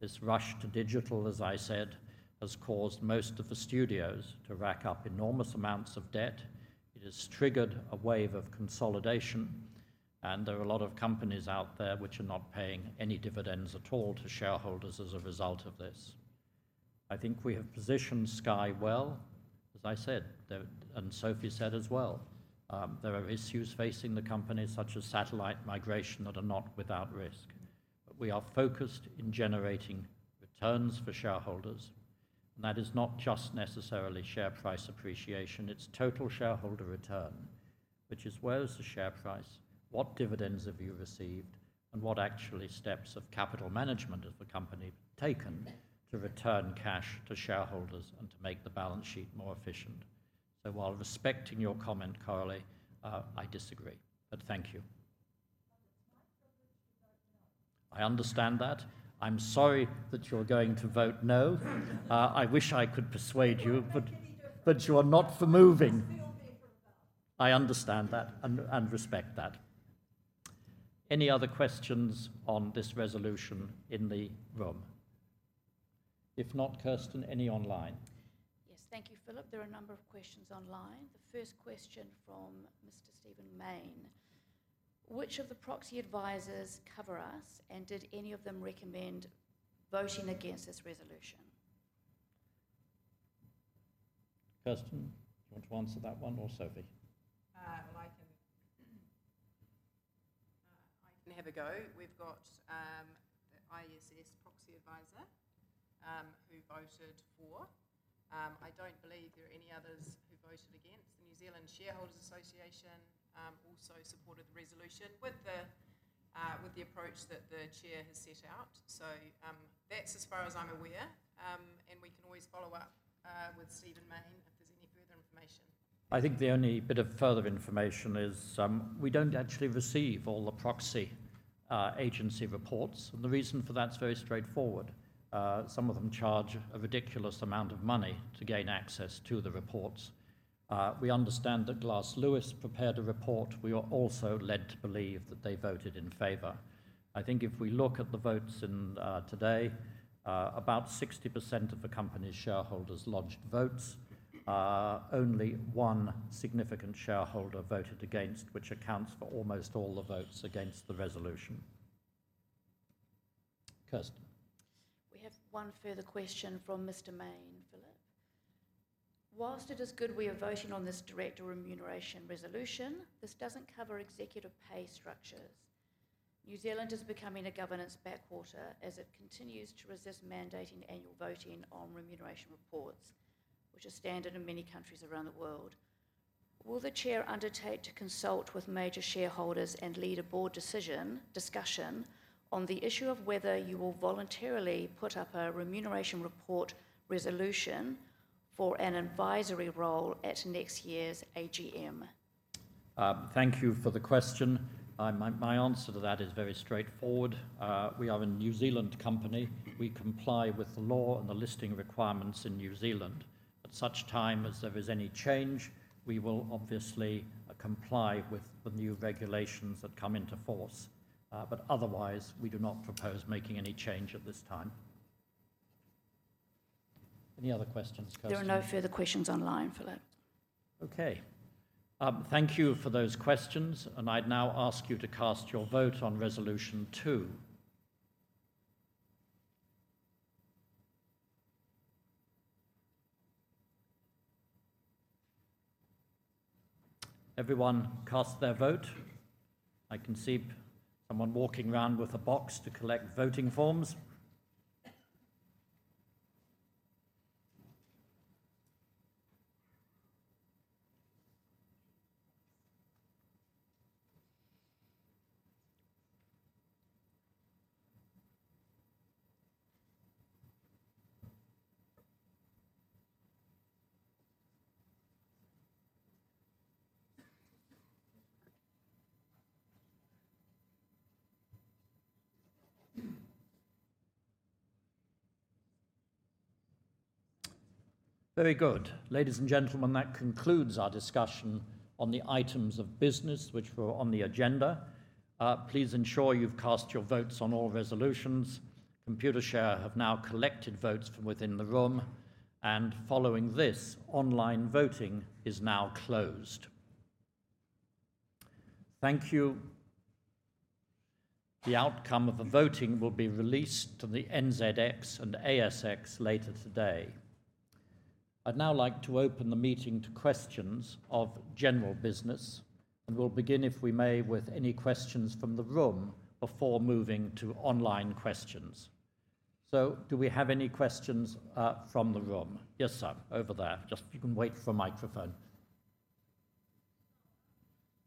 this rush to digital, as I said, has caused most of the studios to rack up enormous amounts of debt. It has triggered a wave of consolidation, and there are a lot of companies out there which are not paying any dividends at all to shareholders as a result of this. I think we have positioned Sky well, as I said, and Sophie said as well. There are issues facing the company, such as satellite migration, that are not without risk. But we are focused in generating returns for shareholders, and that is not just necessarily share price appreciation. It's total shareholder return, which is where is the share price, what dividends have you received, and what actually steps have capital management of the company taken to return cash to shareholders and to make the balance sheet more efficient. So while respecting your comment, Coralie, I disagree, but thank you. I understand that. I'm sorry that you're going to vote no. I wish I could persuade you, but you are not for moving. I understand that and respect that. Any other questions on this resolution in the room? If not, Kirstin, any online? Yes, thank you, Philip. There are a number of questions online. The first question from Mr. Stephen Mayne. Which of the proxy advisors cover us, and did any of them recommend voting against this resolution? Kirstin, do you want to answer that one or Sophie? I can have a go. We've got the ISS proxy advisor who voted for. I don't believe there are any others who voted against. The New Zealand Shareholders Association also supported the resolution with the approach that the chair has set out. That's as far as I'm aware, and we can always follow up with Stephen Mayne if there's any further information. I think the only bit of further information is we don't actually receive all the proxy agency reports, and the reason for that's very straightforward. Some of them charge a ridiculous amount of money to gain access to the reports. We understand that Glass Lewis prepared a report. We are also led to believe that they voted in favour. I think if we look at the votes today, about 60% of the company's shareholders lodged votes. Only one significant shareholder voted against, which accounts for almost all the votes against the resolution. Kirstin. We have one further question from Mr. Mayne, Philip. While it is good we are voting on this director remuneration resolution, this doesn't cover executive pay structures. New Zealand is becoming a governance backwater as it continues to resist mandating annual voting on remuneration reports, which are standard in many countries around the world. Will the chair undertake to consult with major shareholders and lead a board decision discussion on the issue of whether you will voluntarily put up a remuneration report resolution for an advisory role at next year's AGM? Thank you for the question. My answer to that is very straightforward. We are a New Zealand company. We comply with the law and the listing requirements in New Zealand. At such time, if there is any change, we will obviously comply with the new regulations that come into force. But otherwise, we do not propose making any change at this time. Any other questions, Kirstin? There are no further questions online, Philip. Okay. Thank you for those questions, and I'd now ask you to cast your vote on resolution two. Everyone cast their vote. I can see someone walking around with a box to collect voting forms. Very good. Ladies and gentlemen, that concludes our discussion on the items of business which were on the agenda. Please ensure you've cast your votes on all resolutions. Computershare have now collected votes from within the room, and following this, online voting is now closed. Thank you. The outcome of the voting will be released to the NZX and ASX later today. I'd now like to open the meeting to questions of general business, and we'll begin, if we may, with any questions from the room before moving to online questions. So do we have any questions from the room? Yes, sir, over there. Just you can wait for a microphone.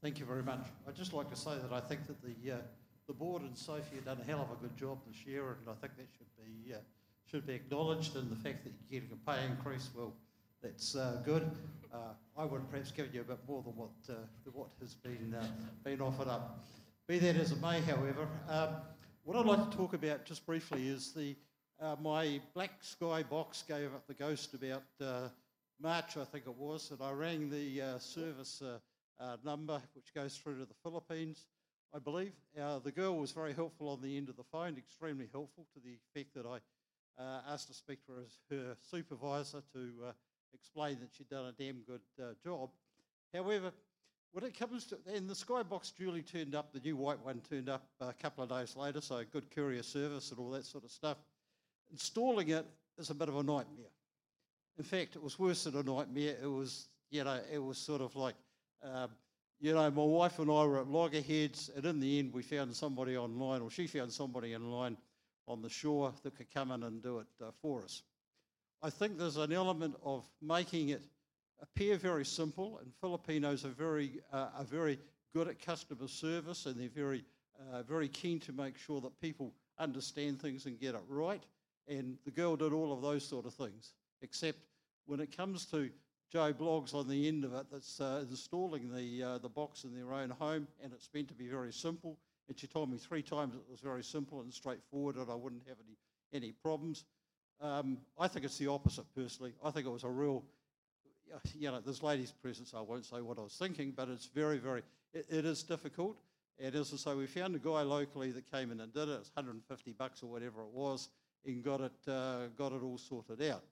Thank you very much. I'd just like to say that I think that the board and Sophie have done a hell of a good job this year, and I think that should be acknowledged. And the fact that you're getting a pay increase, well, that's good. I would have perhaps given you a bit more than what has been offered up. Be that as it may, however, what I'd like to talk about just briefly is my black Sky Box gave up the ghost about March, I think it was, and I rang the service number which goes through to the Philippines, I believe. The girl was very helpful on the end of the phone, extremely helpful to the effect that I asked to speak to her supervisor to explain that she'd done a damn good job. However, when it comes to and the Sky Box duly turned up, the new white one turned up a couple of days later, so good courier service and all that sort of stuff. Installing it is a bit of a nightmare. In fact, it was worse than a nightmare. It was sort of like, you know, my wife and I were at loggerheads, and in the end, we found somebody online, or she found somebody online on the North Shore that could come in and do it for us. I think there's an element of making it appear very simple, and Filipinos are very good at customer service, and they're very keen to make sure that people understand things and get it right. The girl did all of those sort of things, except when it comes to Joe Bloggs on the end of it that's installing the box in their own home, and it's meant to be very simple. She told me three times it was very simple and straightforward, and I wouldn't have any problems. I think it's the opposite, personally. I think it was a real you know, there's ladies present, so I won't say what I was thinking, but it's very, very it is difficult. So we found a guy locally that came in and did it. It was 150 bucks or whatever it was, and got it all sorted out.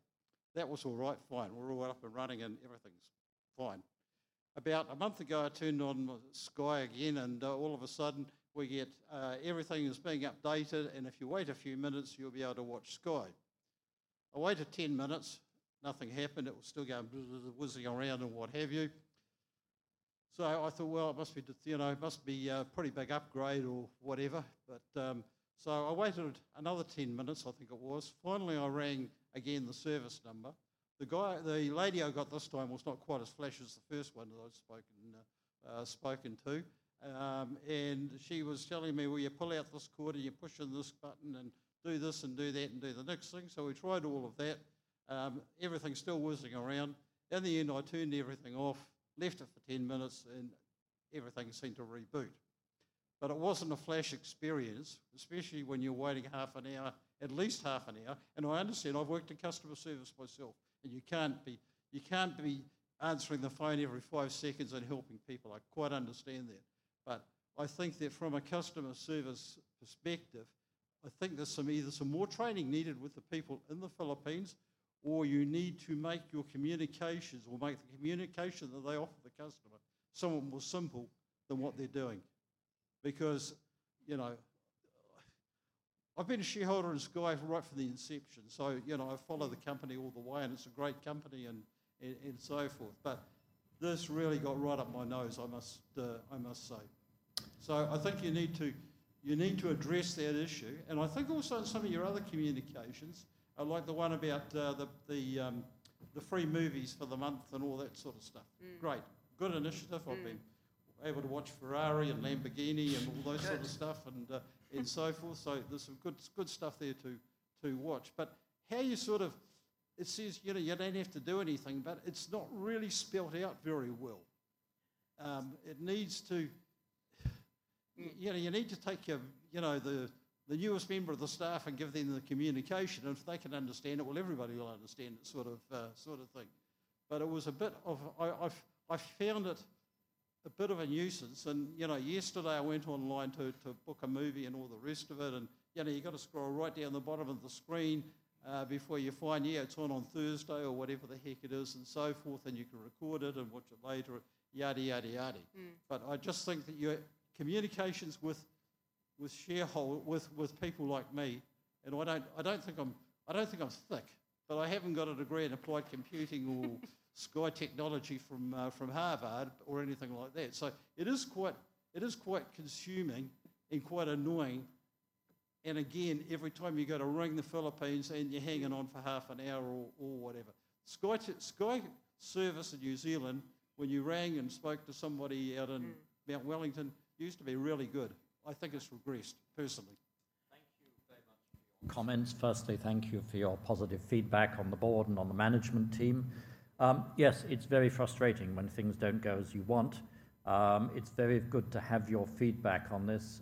That was all right, fine. We're all up and running, and everything's fine. About a month ago, I turned on Sky again, and all of a sudden, we get everything is being updated, and if you wait a few minutes, you'll be able to watch Sky. I waited 10 minutes. Nothing happened. It was still going bzzzzzzzzzz around and what have you. I thought, well, it must be a pretty big upgrade or whatever. I waited another 10 minutes, I think it was. Finally, I rang again the service number. The lady I got this time was not quite as flashy as the first one that I'd spoken to, and she was telling me, well, you pull out this cord, and you push on this button, and do this, and do that, and do the next thing. We tried all of that. Everything's still whizzing around. In the end, I turned everything off, left it for 10 minutes, and everything seemed to reboot, but it wasn't a flash experience, especially when you're waiting half an hour, at least half an hour, and I understand I've worked in customer service myself, and you can't be answering the phone every five seconds and helping people. I quite understand that, but I think that from a customer service perspective, I think there's some either some more training needed with the people in the Philippines, or you need to make your communications or make the communication that they offer the customer somewhat more simple than what they're doing. Because, you know, I've been a shareholder in Sky right from the inception, so you know I follow the company all the way, and it's a great company, and so forth, but this really got right up my nose, I must say. So I think you need to address that issue, and I think also in some of your other communications, like the one about the free movies for the month and all that sort of stuff. Great. Good initiative. I've been able to watch Ferrari and Lamborghini and all those sort of stuff and so forth. So there's some good stuff there to watch. But how you sort of it says you don't have to do anything, but it's not really spelled out very well. It needs to, you know, you need to take the newest member of the staff and give them the communication, and if they can understand it, well, everybody will understand it sort of thing. But it was a bit of. I found it a bit of a nuisance. Yesterday, I went online to book a movie and all the rest of it, and you've got to scroll right down the bottom of the screen before you find, yeah, it's on Thursday or whatever the heck it is and so forth, and you can record it and watch it later, yadda, yadda, yadda. I just think that your communications with people like me, and I don't think I'm thick, but I haven't got a degree in applied computing or Sky technology from Harvard or anything like that. So it is quite consuming and quite annoying. Again, every time you've got to ring the Philippines and you're hanging on for half an hour or whatever. Sky service in New Zealand, when you rang and spoke to somebody out in Mount Wellington, used to be really good. I think it's regressed, personally. Thank you very much for your comments. Firstly, thank you for your positive feedback on the board and on the management team. Yes, it's very frustrating when things don't go as you want. It's very good to have your feedback on this.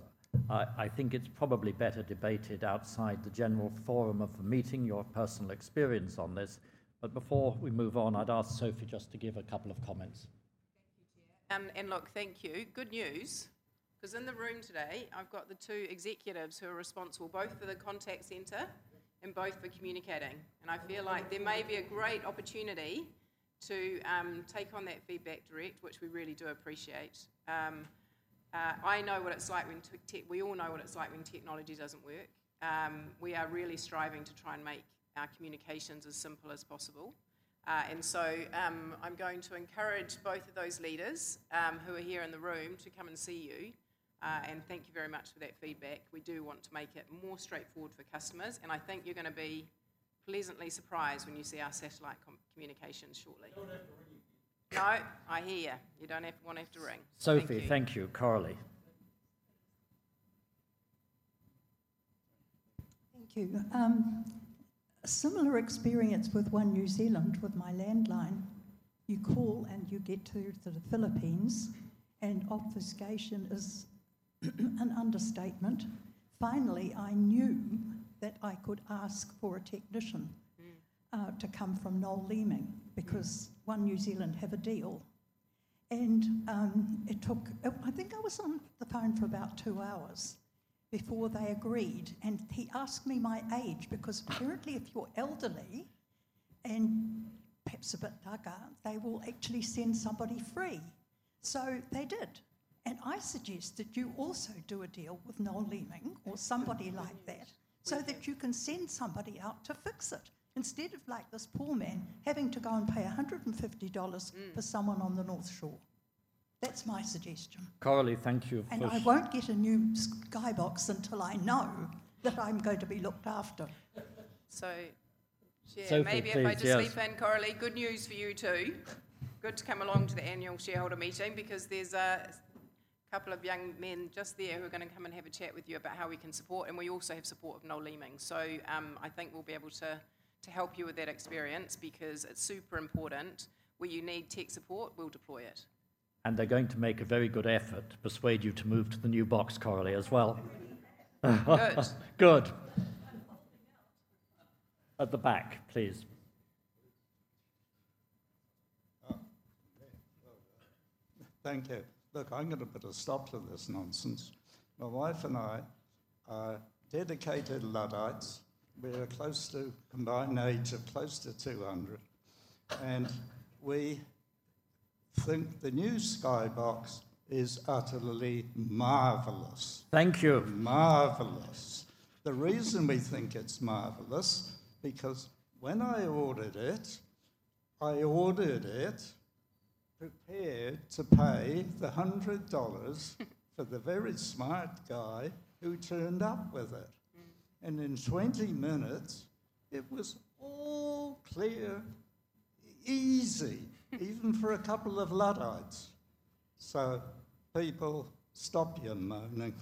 I think it's probably better debated outside the general forum of the meeting, your personal experience on this. But before we move on, I'd ask Sophie just to give a couple of comments. Thank you, Chair, and look, thank you. Good news, because in the room today, I've got the two executives who are responsible both for the contact center and both for communicating, and I feel like there may be a great opportunity to take on that feedback direct, which we really do appreciate. I know what it's like when we all know what it's like when technology doesn't work. We are really striving to try and make our communications as simple as possible, and so I'm going to encourage both of those leaders who are here in the room to come and see you, and thank you very much for that feedback. We do want to make it more straightforward for customers, and I think you're going to be pleasantly surprised when you see our satellite communications shortly. No, I hear you. You don't want to have to ring. Sophie, thank you. Coralie. Thank you. Similar experience with One New Zealand with my landline. You call and you get to the Philippines, and obfuscation is an understatement. Finally, I knew that I could ask for a technician to come from Noel Leeming because One New Zealand have a deal, and it took I think I was on the phone for about two hours before they agreed, and he asked me my age because apparently if you're elderly and perhaps a bit doddery, they will actually send somebody free, so they did, and I suggest that you also do a deal with Noel Leeming or somebody like that so that you can send somebody out to fix it instead of like this poor man having to go and pay 150 dollars for someone on the North Shore. That's my suggestion. Coralie, thank you. I won't get a new Sky Box until I know that I'm going to be looked after. So, maybe if I just leap in, Coralie. Good news for you too. Good to come along to the annual shareholder meeting because there's a couple of young men just there who are going to come and have a chat with you about how we can support, and we also have support of Noel Leeming. So, I think we'll be able to help you with that experience because it's super important. Where you need tech support, we'll deploy it. They're going to make a very good effort to persuade you to move to the new box, Coralie, as well. Good. Good. At the back, please. Thank you. Look, I'm going to put a stop to this nonsense. My wife and I are dedicated Luddites. We are close to combined age of close to 200, and we think the new Sky Box is utterly marvelous. Thank you. Marvelous. The reason we think it's marvelous is because when I ordered it, I ordered it prepared to pay the 100 dollars for the very smart guy who turned up with it. And in 20 minutes, it was all clear, easy, even for a couple of Luddites. So people, stop your moaning.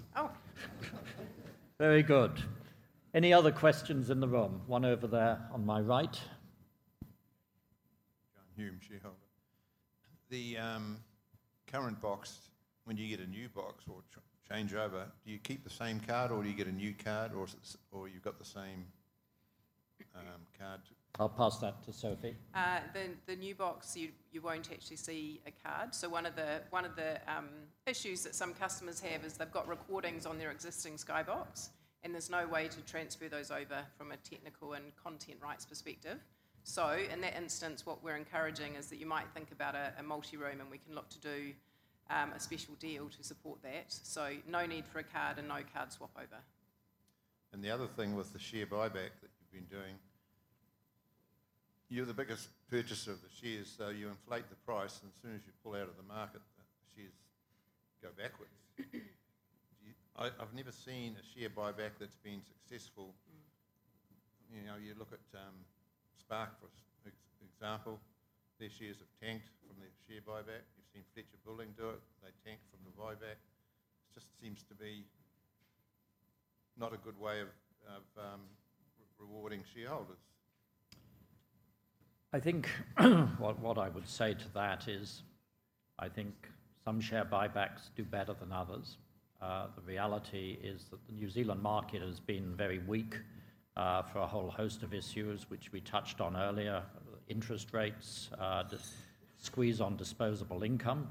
Very good. Any other questions in the room? One over there on my right. John Hume, shareholder. The current box, when you get a new box or change over, do you keep the same card or do you get a new card or you've got the same card? I'll pass that to Sophie. The new box, you won't actually see a card. So one of the issues that some customers have is they've got recordings on their existing Sky Box, and there's no way to transfer those over from a technical and content rights perspective. So in that instance, what we're encouraging is that you might think about a Multiroom, and we can look to do a special deal to support that. So no need for a card and no card swap over. And the other thing with the share buyback that you've been doing, you're the biggest purchaser of the shares, so you inflate the price, and as soon as you pull out of the market, the shares go backwards. I've never seen a share buyback that's been successful. You look at Spark, for example, their shares have tanked from their share buyback. You've seen Fletcher Building do it. They tanked from the buyback. It just seems to be not a good way of rewarding shareholders. I think what I would say to that is I think some share buybacks do better than others. The reality is that the New Zealand market has been very weak for a whole host of issues, which we touched on earlier. Interest rates, squeeze on disposable income.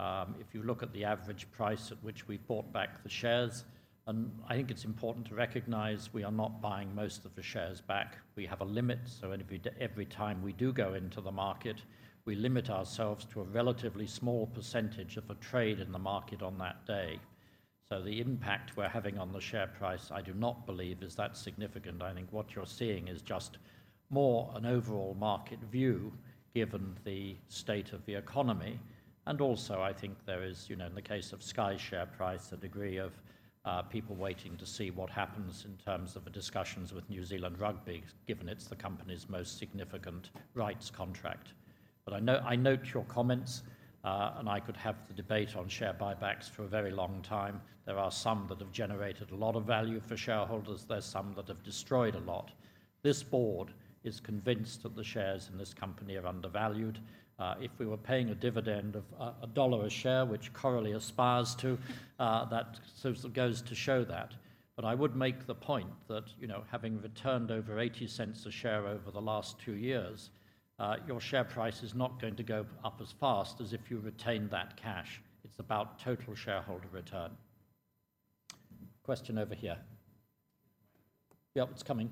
If you look at the average price at which we've bought back the shares, and I think it's important to recognize we are not buying most of the shares back. We have a limit, so every time we do go into the market, we limit ourselves to a relatively small percentage of a trade in the market on that day. So the impact we're having on the share price, I do not believe, is that significant. I think what you're seeing is just more an overall market view given the state of the economy. And also, I think there is, you know, in the case of Sky share price, a degree of people waiting to see what happens in terms of the discussions with New Zealand Rugby, given it's the company's most significant rights contract. But I note your comments, and I could have the debate on share buybacks for a very long time. There are some that have generated a lot of value for shareholders. There are some that have destroyed a lot. This board is convinced that the shares in this company are undervalued. If we were paying a dividend of NZD 1 a share, which Coralie aspires to, that goes to show that. But I would make the point that, you know, having returned over 0.80 a share over the last two years, your share price is not going to go up as fast as if you retained that cash. It's about total shareholder return. Question over here. Yeah, it's coming.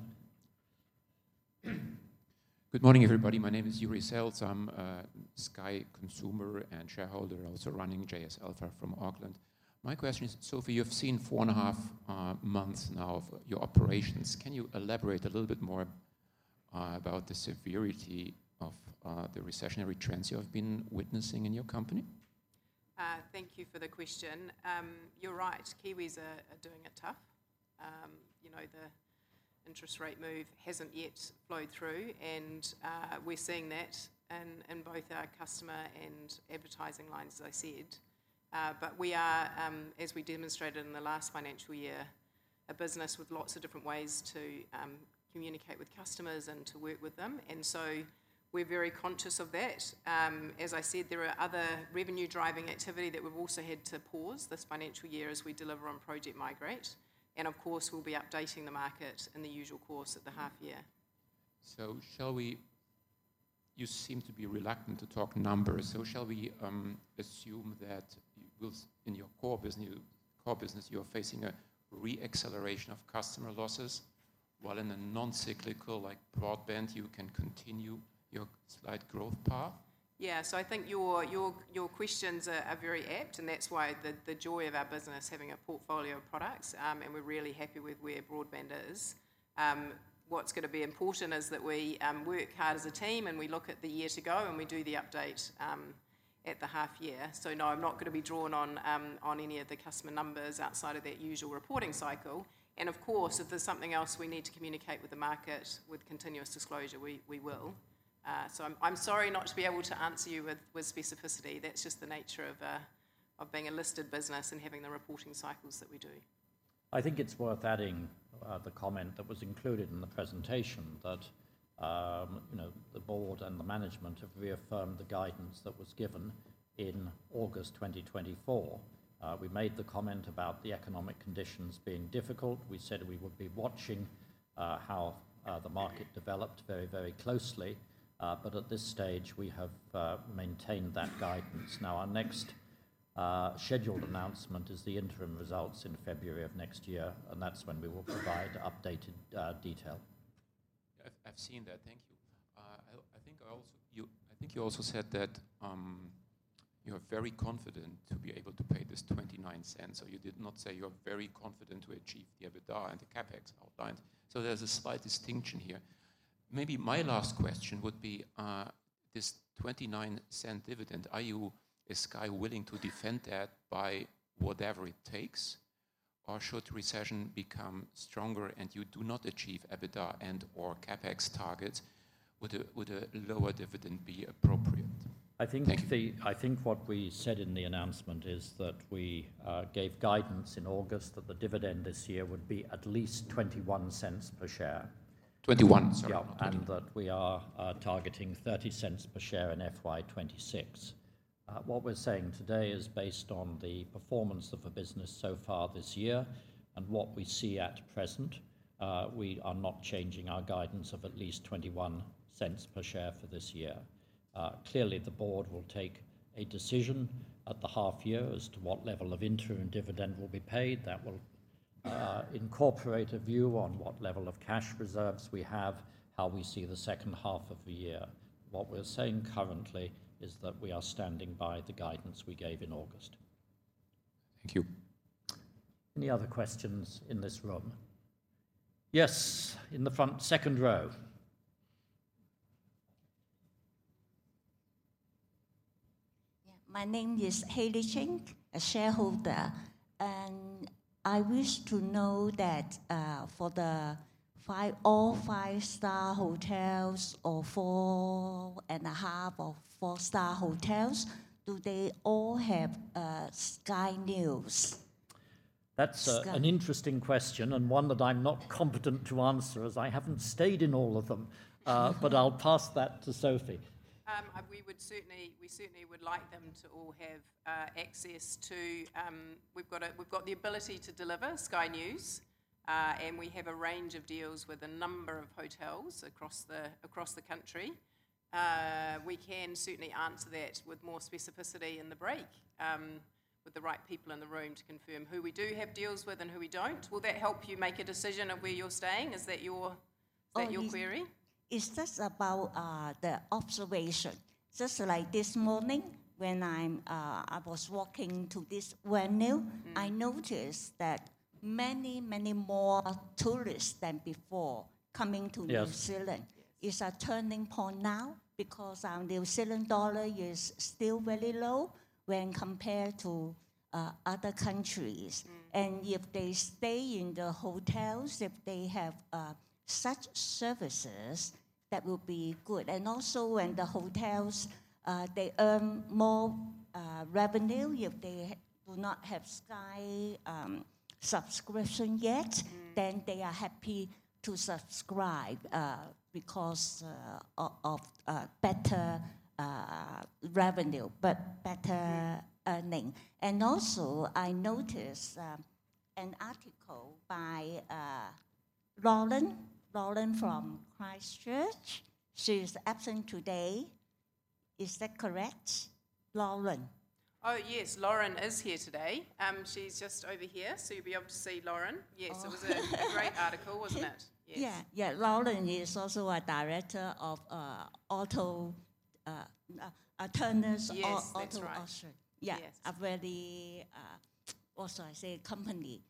Good morning, everybody. My name is Jurg Seltz. I'm a Sky consumer and shareholder, also running JS Alpha from Auckland. My question is, Sophie, you've seen four and a half months now of your operations. Can you elaborate a little bit more about the severity of the recessionary trends you have been witnessing in your company? Thank you for the question. You're right. Kiwis are doing it tough. You know, the interest rate move hasn't yet flowed through, and we're seeing that in both our customer and advertising lines, as I said. But we are, as we demonstrated in the last financial year, a business with lots of different ways to communicate with customers and to work with them. And so, we're very conscious of that. As I said, there are other revenue-driving activity that we've also had to pause this financial year as we deliver on Project Migrate. And of course, we'll be updating the market in the usual course of the half year. So, shall we? You seem to be reluctant to talk numbers. So shall we assume that in your core business, you're facing a re-acceleration of customer losses, while in a non-cyclical, like broadband, you can continue your slight growth path? Yeah, so I think your questions are very apt, and that's why the joy of our business having a portfolio of products, and we're really happy with where broadband is. What's going to be important is that we work hard as a team, and we look at the year to go, and we do the update at the half year. So no, I'm not going to be drawing on any of the customer numbers outside of that usual reporting cycle. And of course, if there's something else we need to communicate with the market with continuous disclosure, we will. So I'm sorry not to be able to answer you with specificity. That's just the nature of being a listed business and having the reporting cycles that we do. I think it's worth adding the comment that was included in the presentation that the board and the management have reaffirmed the guidance that was given in August 2024. We made the comment about the economic conditions being difficult. We said we would be watching how the market developed very, very closely, but at this stage, we have maintained that guidance. Now, our next scheduled announcement is the interim results in February of next year, and that's when we will provide updated detail. I've seen that. Thank you. I think you also said that you're very confident to be able to pay this 0.29. So you did not say you're very confident to achieve the EBITDA and the CapEx outlined. So there's a slight distinction here. Maybe my last question would be, this 0.29 dividend, are you as Sky willing to defend that by whatever it takes, or should recession become stronger and you do not achieve EBITDA and/or CapEx targets, would a lower dividend be appropriate? I think what we said in the announcement is that we gave guidance in August that the dividend this year would be at least 0.21 per share. 21, sorry. Yeah, and that we are targeting 0.30 per share in FY26. What we're saying today is based on the performance of a business so far this year and what we see at present. We are not changing our guidance of at least 0.21 per share for this year. Clearly, the board will take a decision at the half year as to what level of interim dividend will be paid. That will incorporate a view on what level of cash reserves we have, how we see the second half of the year. What we're saying currently is that we are standing by the guidance we gave in August. Thank you. Any other questions in this room? Yes, in the front second row. My name is Hailey Cheng, a shareholder, and I wish to know that for all five-star hotels or four and a half or four-star hotels, do they all have Sky News? That's an interesting question and one that I'm not competent to answer as I haven't stayed in all of them, but I'll pass that to Sophie. We certainly would like them to all have access to. We've got the ability to deliver Sky News, and we have a range of deals with a number of hotels across the country. We can certainly answer that with more specificity in the break with the right people in the room to confirm who we do have deals with and who we don't. Will that help you make a decision of where you're staying? Is that your query? Is this about the observation? Just like this morning, when I was walking to this venue, I noticed that many, many more tourists than before coming to New Zealand. It's a turning point now because our New Zealand dollar is still very low when compared to other countries, and if they stay in the hotels, if they have such services, that would be good, and also when the hotels, they earn more revenue. If they do not have Sky subscription yet, then they are happy to subscribe because of better revenue, but better earning, and also I noticed an article by Lauren, Lauren from Christchurch. She's absent today. Is that correct, Lauren? Oh, yes, Lauren is here today. She's just over here, so you'll be able to see Lauren. Yes, it was a great article, wasn't it? Yeah, yeah. Lauren is also a director of Turners Auctions. Yeah, a very awesome, I say, company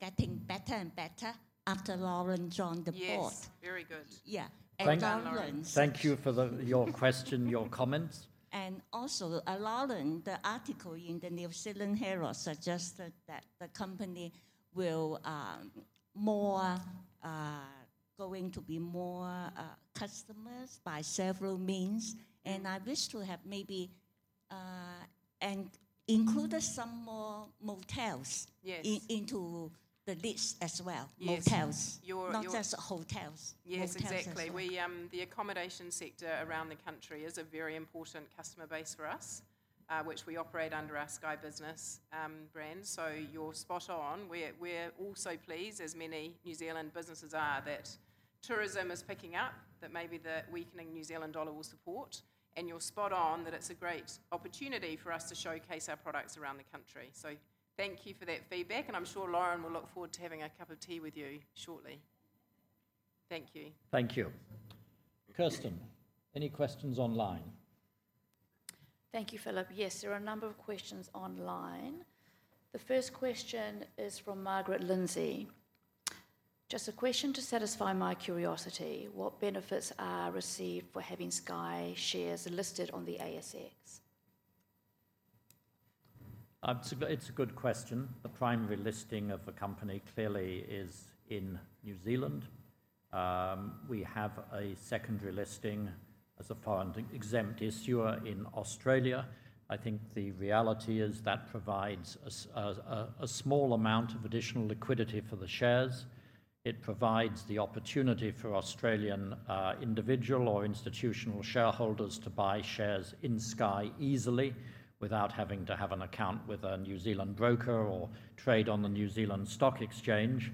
getting better and better after Lauren joined the board. Yes, very good. Yeah. Thank you for your question, your comments. And also Lauren, the article in the New Zealand Herald suggested that the company will more going to be more customers by several means. And I wish to have maybe included some more motels into the list as well. Motels, not just hotels. Yes, exactly. The accommodation sector around the country is a very important customer base for us, which we operate under our Sky Business brand. So you're spot on. We're all so pleased, as many New Zealand businesses are, that tourism is picking up, that maybe the weakening New Zealand dollar will support. And you're spot on that it's a great opportunity for us to showcase our products around the country. So thank you for that feedback, and I'm sure Lauren will look forward to having a cup of tea with you shortly. Thank you. Thank you. Kirstin, any questions online? Thank you, Philip. Yes, there are a number of questions online. The first question is from Margaret Lindsay. Just a question to satisfy my curiosity. What benefits are received for having Sky shares listed on the ASX? It's a good question. The primary listing of a company clearly is in New Zealand. We have a secondary listing as a foreign exempt issuer in Australia. I think the reality is that provides a small amount of additional liquidity for the shares. It provides the opportunity for Australian individual or institutional shareholders to buy shares in Sky easily without having to have an account with a New Zealand broker or trade on the New Zealand Stock Exchange,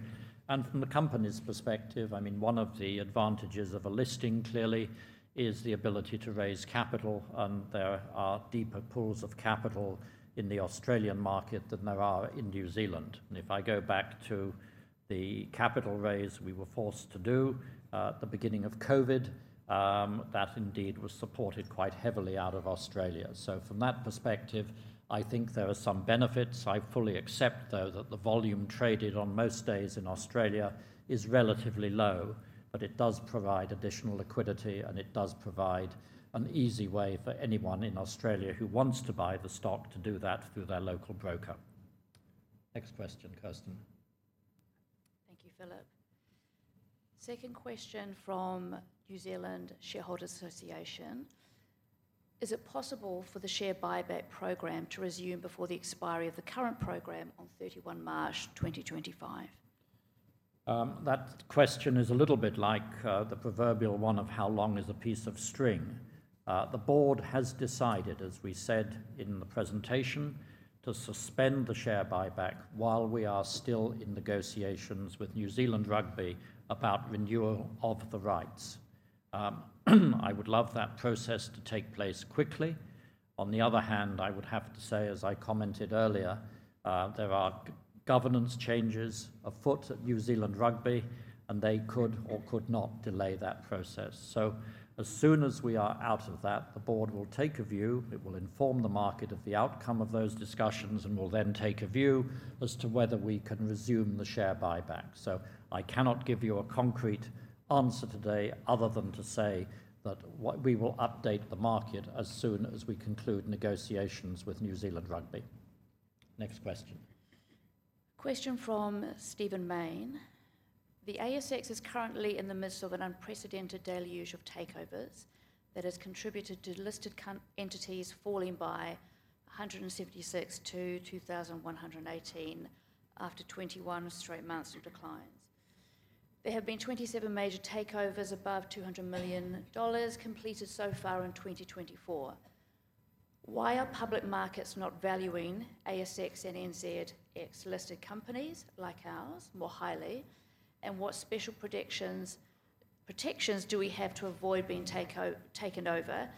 and from the company's perspective, I mean, one of the advantages of a listing clearly is the ability to raise capital, and there are deeper pools of capital in the Australian market than there are in New Zealand, and if I go back to the capital raise we were forced to do at the beginning of COVID, that indeed was supported quite heavily out of Australia. So from that perspective, I think there are some benefits. I fully accept, though, that the volume traded on most days in Australia is relatively low, but it does provide additional liquidity, and it does provide an easy way for anyone in Australia who wants to buy the stock to do that through their local broker. Next question, Kirstin. Thank you, Philip. Second question from New Zealand Shareholders Association. Is it possible for the share buyback program to resume before the expiration of the current program on 31 March 2025? That question is a little bit like the proverbial one of how long a piece of string. The board has decided, as we said in the presentation, to suspend the share buyback while we are still in negotiations with New Zealand Rugby about renewal of the rights. I would love that process to take place quickly. On the other hand, I would have to say, as I commented earlier, there are governance changes afoot at New Zealand Rugby, and they could or could not delay that process. So as soon as we are out of that, the board will take a view. It will inform the market of the outcome of those discussions and will then take a view as to whether we can resume the share buyback. So I cannot give you a concrete answer today other than to say that we will update the market as soon as we conclude negotiations with New Zealand Rugby. Next question. Question from Stephen Mayne. The ASX is currently in the midst of an unprecedented deluge of takeovers that has contributed to listed entities falling by 176-2,118 after 21 straight months of declines. There have been 27 major takeovers above 200 million dollars completed so far in 2024. Why are public markets not valuing ASX and NZX listed companies like ours more highly? And what special protections do we have to avoid being taken over?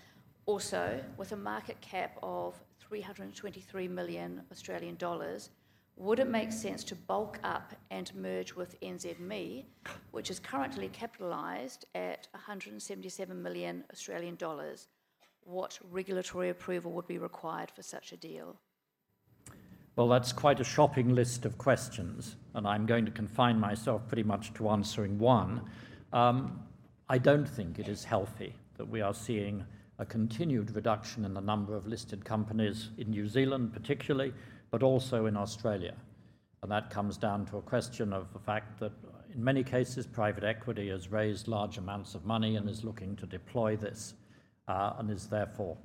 Also, with a market cap of 323 million Australian dollars, would it make sense to bulk up and merge with NZME, which is currently capitalized at 177 million Australian dollars? What regulatory approval would be required for such a deal? That's quite a shopping list of questions, and I'm going to confine myself pretty much to answering one. I don't think it is healthy that we are seeing a continued reduction in the number of listed companies in New Zealand particularly, but also in Australia. That comes down to a question of the fact that in many cases, private equity has raised large amounts of money and is looking to deploy this and is therefore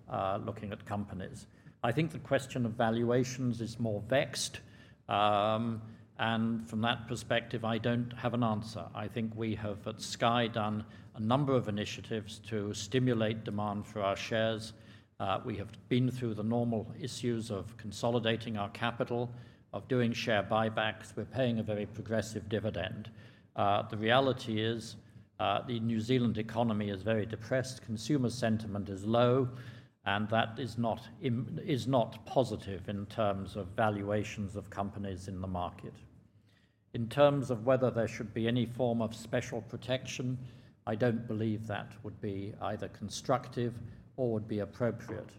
looking at companies. I think the question of valuations is more vexed, and from that perspective, I don't have an answer. I think we have at Sky done a number of initiatives to stimulate demand for our shares. We have been through the normal issues of consolidating our capital, of doing share buybacks. We're paying a very progressive dividend. The reality is the New Zealand economy is very depressed. Consumer sentiment is low, and that is not positive in terms of valuations of companies in the market. In terms of whether there should be any form of special protection, I don't believe that would be either constructive or would be appropriate.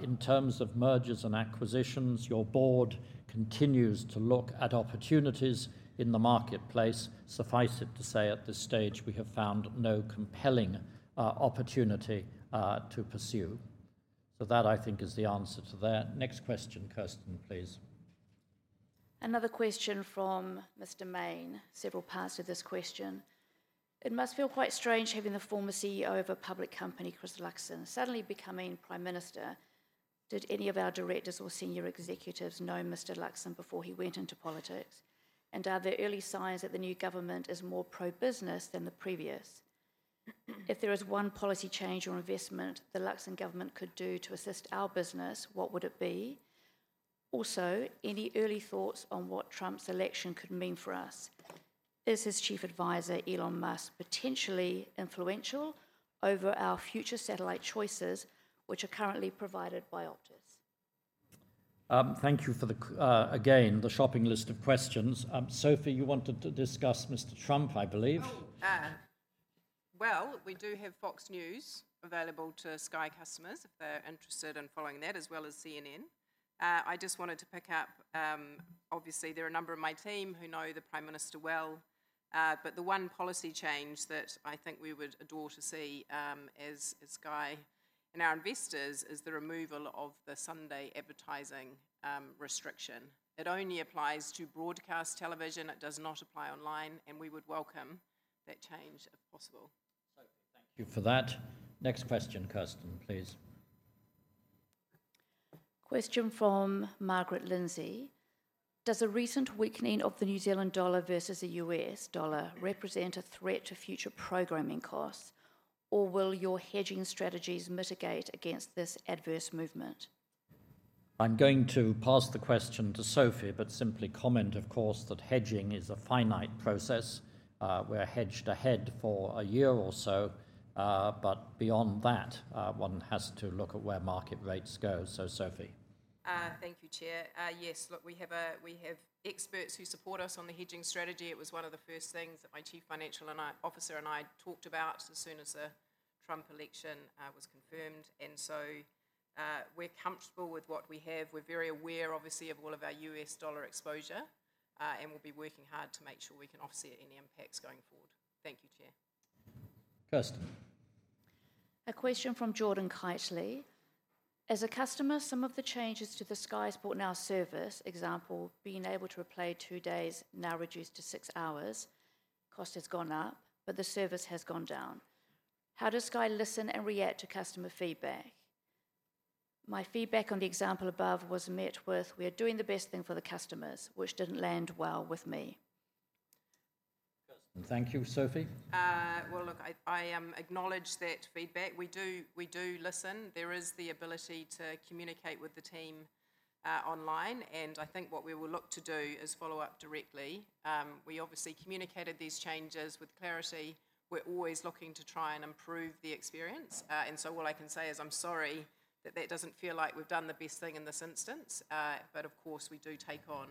In terms of mergers and acquisitions, your board continues to look at opportunities in the marketplace. Suffice it to say at this stage, we have found no compelling opportunity to pursue. So that, I think, is the answer to that. Next question, Kirstin, please. Another question from Mr. Mayne, several parts to this question. It must feel quite strange having the former CEO of a public company, Chris Luxon, suddenly becoming Prime Minister. Did any of our directors or senior executives know Mr. Luxon before he went into politics? And are there early signs that the new government is more pro-business than the previous? If there is one policy change or investment the Luxon government could do to assist our business, what would it be? Also, any early thoughts on what Trump's election could mean for us? Is his chief advisor, Elon Musk, potentially influential over our future satellite choices, which are currently provided by Optus? Thank you for the, again, shopping list of questions. Sophie, you wanted to discuss Mr. Trump, I believe. Well, we do have Fox News available to Sky customers if they're interested in following that, as well as CNN. I just wanted to pick up, obviously, there are a number of my team who know the Prime Minister well, but the one policy change that I think we would adore to see as Sky and our investors is the removal of the Sunday advertising restriction. It only applies to broadcast television. It does not apply online, and we would welcome that change if possible. Sophie, thank you for that. Next question, Kirstin, please. Question from Margaret Lindsay. Does a recent weakening of the New Zealand dollar versus the US dollar represent a threat to future programming costs, or will your hedging strategies mitigate against this adverse movement? I'm going to pass the question to Sophie, but simply comment, of course, that hedging is a finite process. We're hedged ahead for a year or so, but beyond that, one has to look at where market rates go. So, Sophie. Thank you, Chair. Yes, look, we have experts who support us on the hedging strategy. It was one of the first things that my Chief Financial Officer and I talked about as soon as the Trump election was confirmed. And so we're comfortable with what we have. We're very aware, obviously, of all of our U.S. dollar exposure, and we'll be working hard to make sure we can offset any impacts going forward. Thank you, Chair. Kirstin. A question from Jordan Kiteley. As a customer, some of the changes to the Sky Sport Now service, example, being able to replay two days now reduced to six hours. Cost has gone up, but the service has gone down. How does Sky listen and react to customer feedback? My feedback on the example above was met with, "We are doing the best thing for the customers," which didn't land well with me. Thank you, Sophie. Well, look, I acknowledge that feedback. We do listen. There is the ability to communicate with the team online, and I think what we will look to do is follow up directly. We obviously communicated these changes with clarity. We're always looking to try and improve the experience. And so, what I can say is I'm sorry that that doesn't feel like we've done the best thing in this instance, but of course, we do take on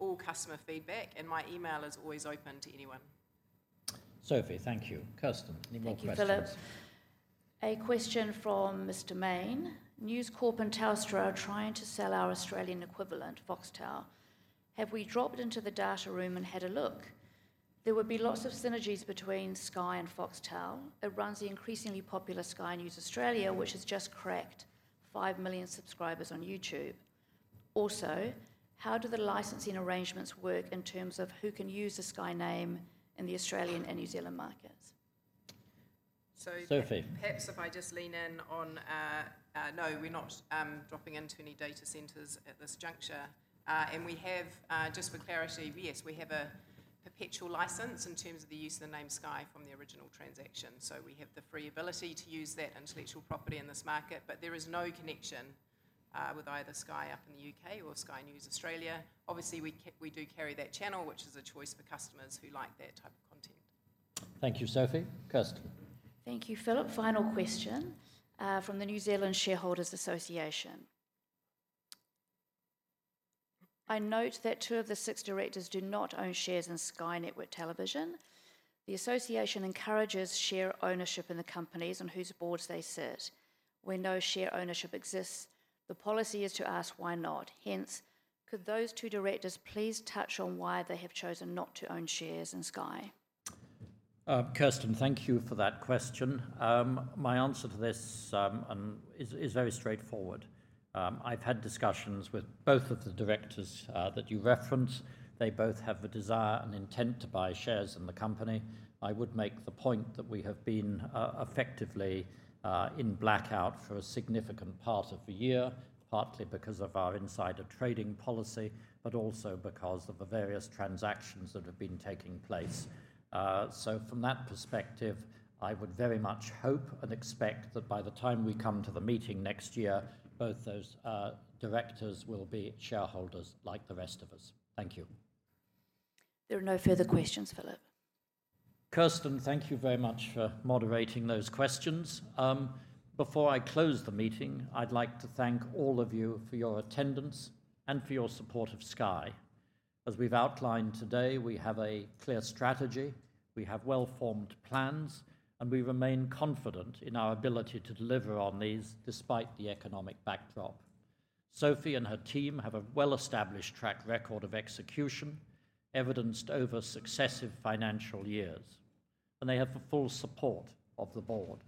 all customer feedback, and my email is always open to anyone. Sophie, thank you. Kirstin. Thank you, Philip. A question from Mr. Mayne. News Corp and Telstra are trying to sell our Australian equivalent, Foxtel. Have we dropped into the data room and had a look? There would be lots of synergies between Sky and Foxtel. It runs the increasingly popular Sky News Australia, which has just cracked 5 million subscribers on YouTube. Also, how do the licensing arrangements work in terms of who can use the Sky name in the Australian and New Zealand markets? Sophie. Perhaps if I just lean in on, no, we're not dropping into any data centers at this juncture, and we have, just for clarity, yes, we have a perpetual license in terms of the use of the name Sky from the original transaction, so we have the free ability to use that intellectual property in this market, but there is no connection with either Sky up in the UK or Sky News Australia. Obviously, we do carry that channel, which is a choice for customers who like that type of content. Thank you, Sophie. Kirstin. Thank you, Philip. Final question from the New Zealand Shareholders Association. I note that two of the six directors do not own shares in Sky Network Television. The association encourages share ownership in the companies on whose boards they sit. We know share ownership exists. The policy is to ask why not. Hence, could those two directors please touch on why they have chosen not to own shares in Sky? Kirstin, thank you for that question. My answer to this is very straightforward. I've had discussions with both of the directors that you reference. They both have the desire and intent to buy shares in the company. I would make the point that we have been effectively in blackout for a significant part of the year, partly because of our insider trading policy, but also because of the various transactions that have been taking place. So, from that perspective, I would very much hope and expect that by the time we come to the meeting next year, both those directors will be shareholders like the rest of us. Thank you. There are no further questions, Philip. Kirstin, thank you very much for moderating those questions. Before I close the meeting, I'd like to thank all of you for your attendance and for your support of Sky. As we've outlined today, we have a clear strategy, we have well-formed plans, and we remain confident in our ability to deliver on these despite the economic backdrop. Sophie and her team have a well-established track record of execution evidenced over successive financial years, and they have full support of the board.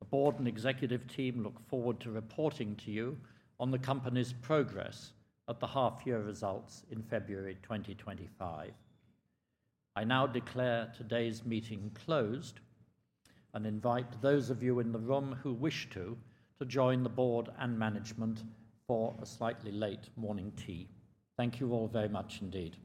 The board and executive team look forward to reporting to you on the company's progress at the half-year results in February 2025. I now declare today's meeting closed and invite those of you in the room who wish to join the board and management for a slightly late morning tea. Thank you all very much indeed.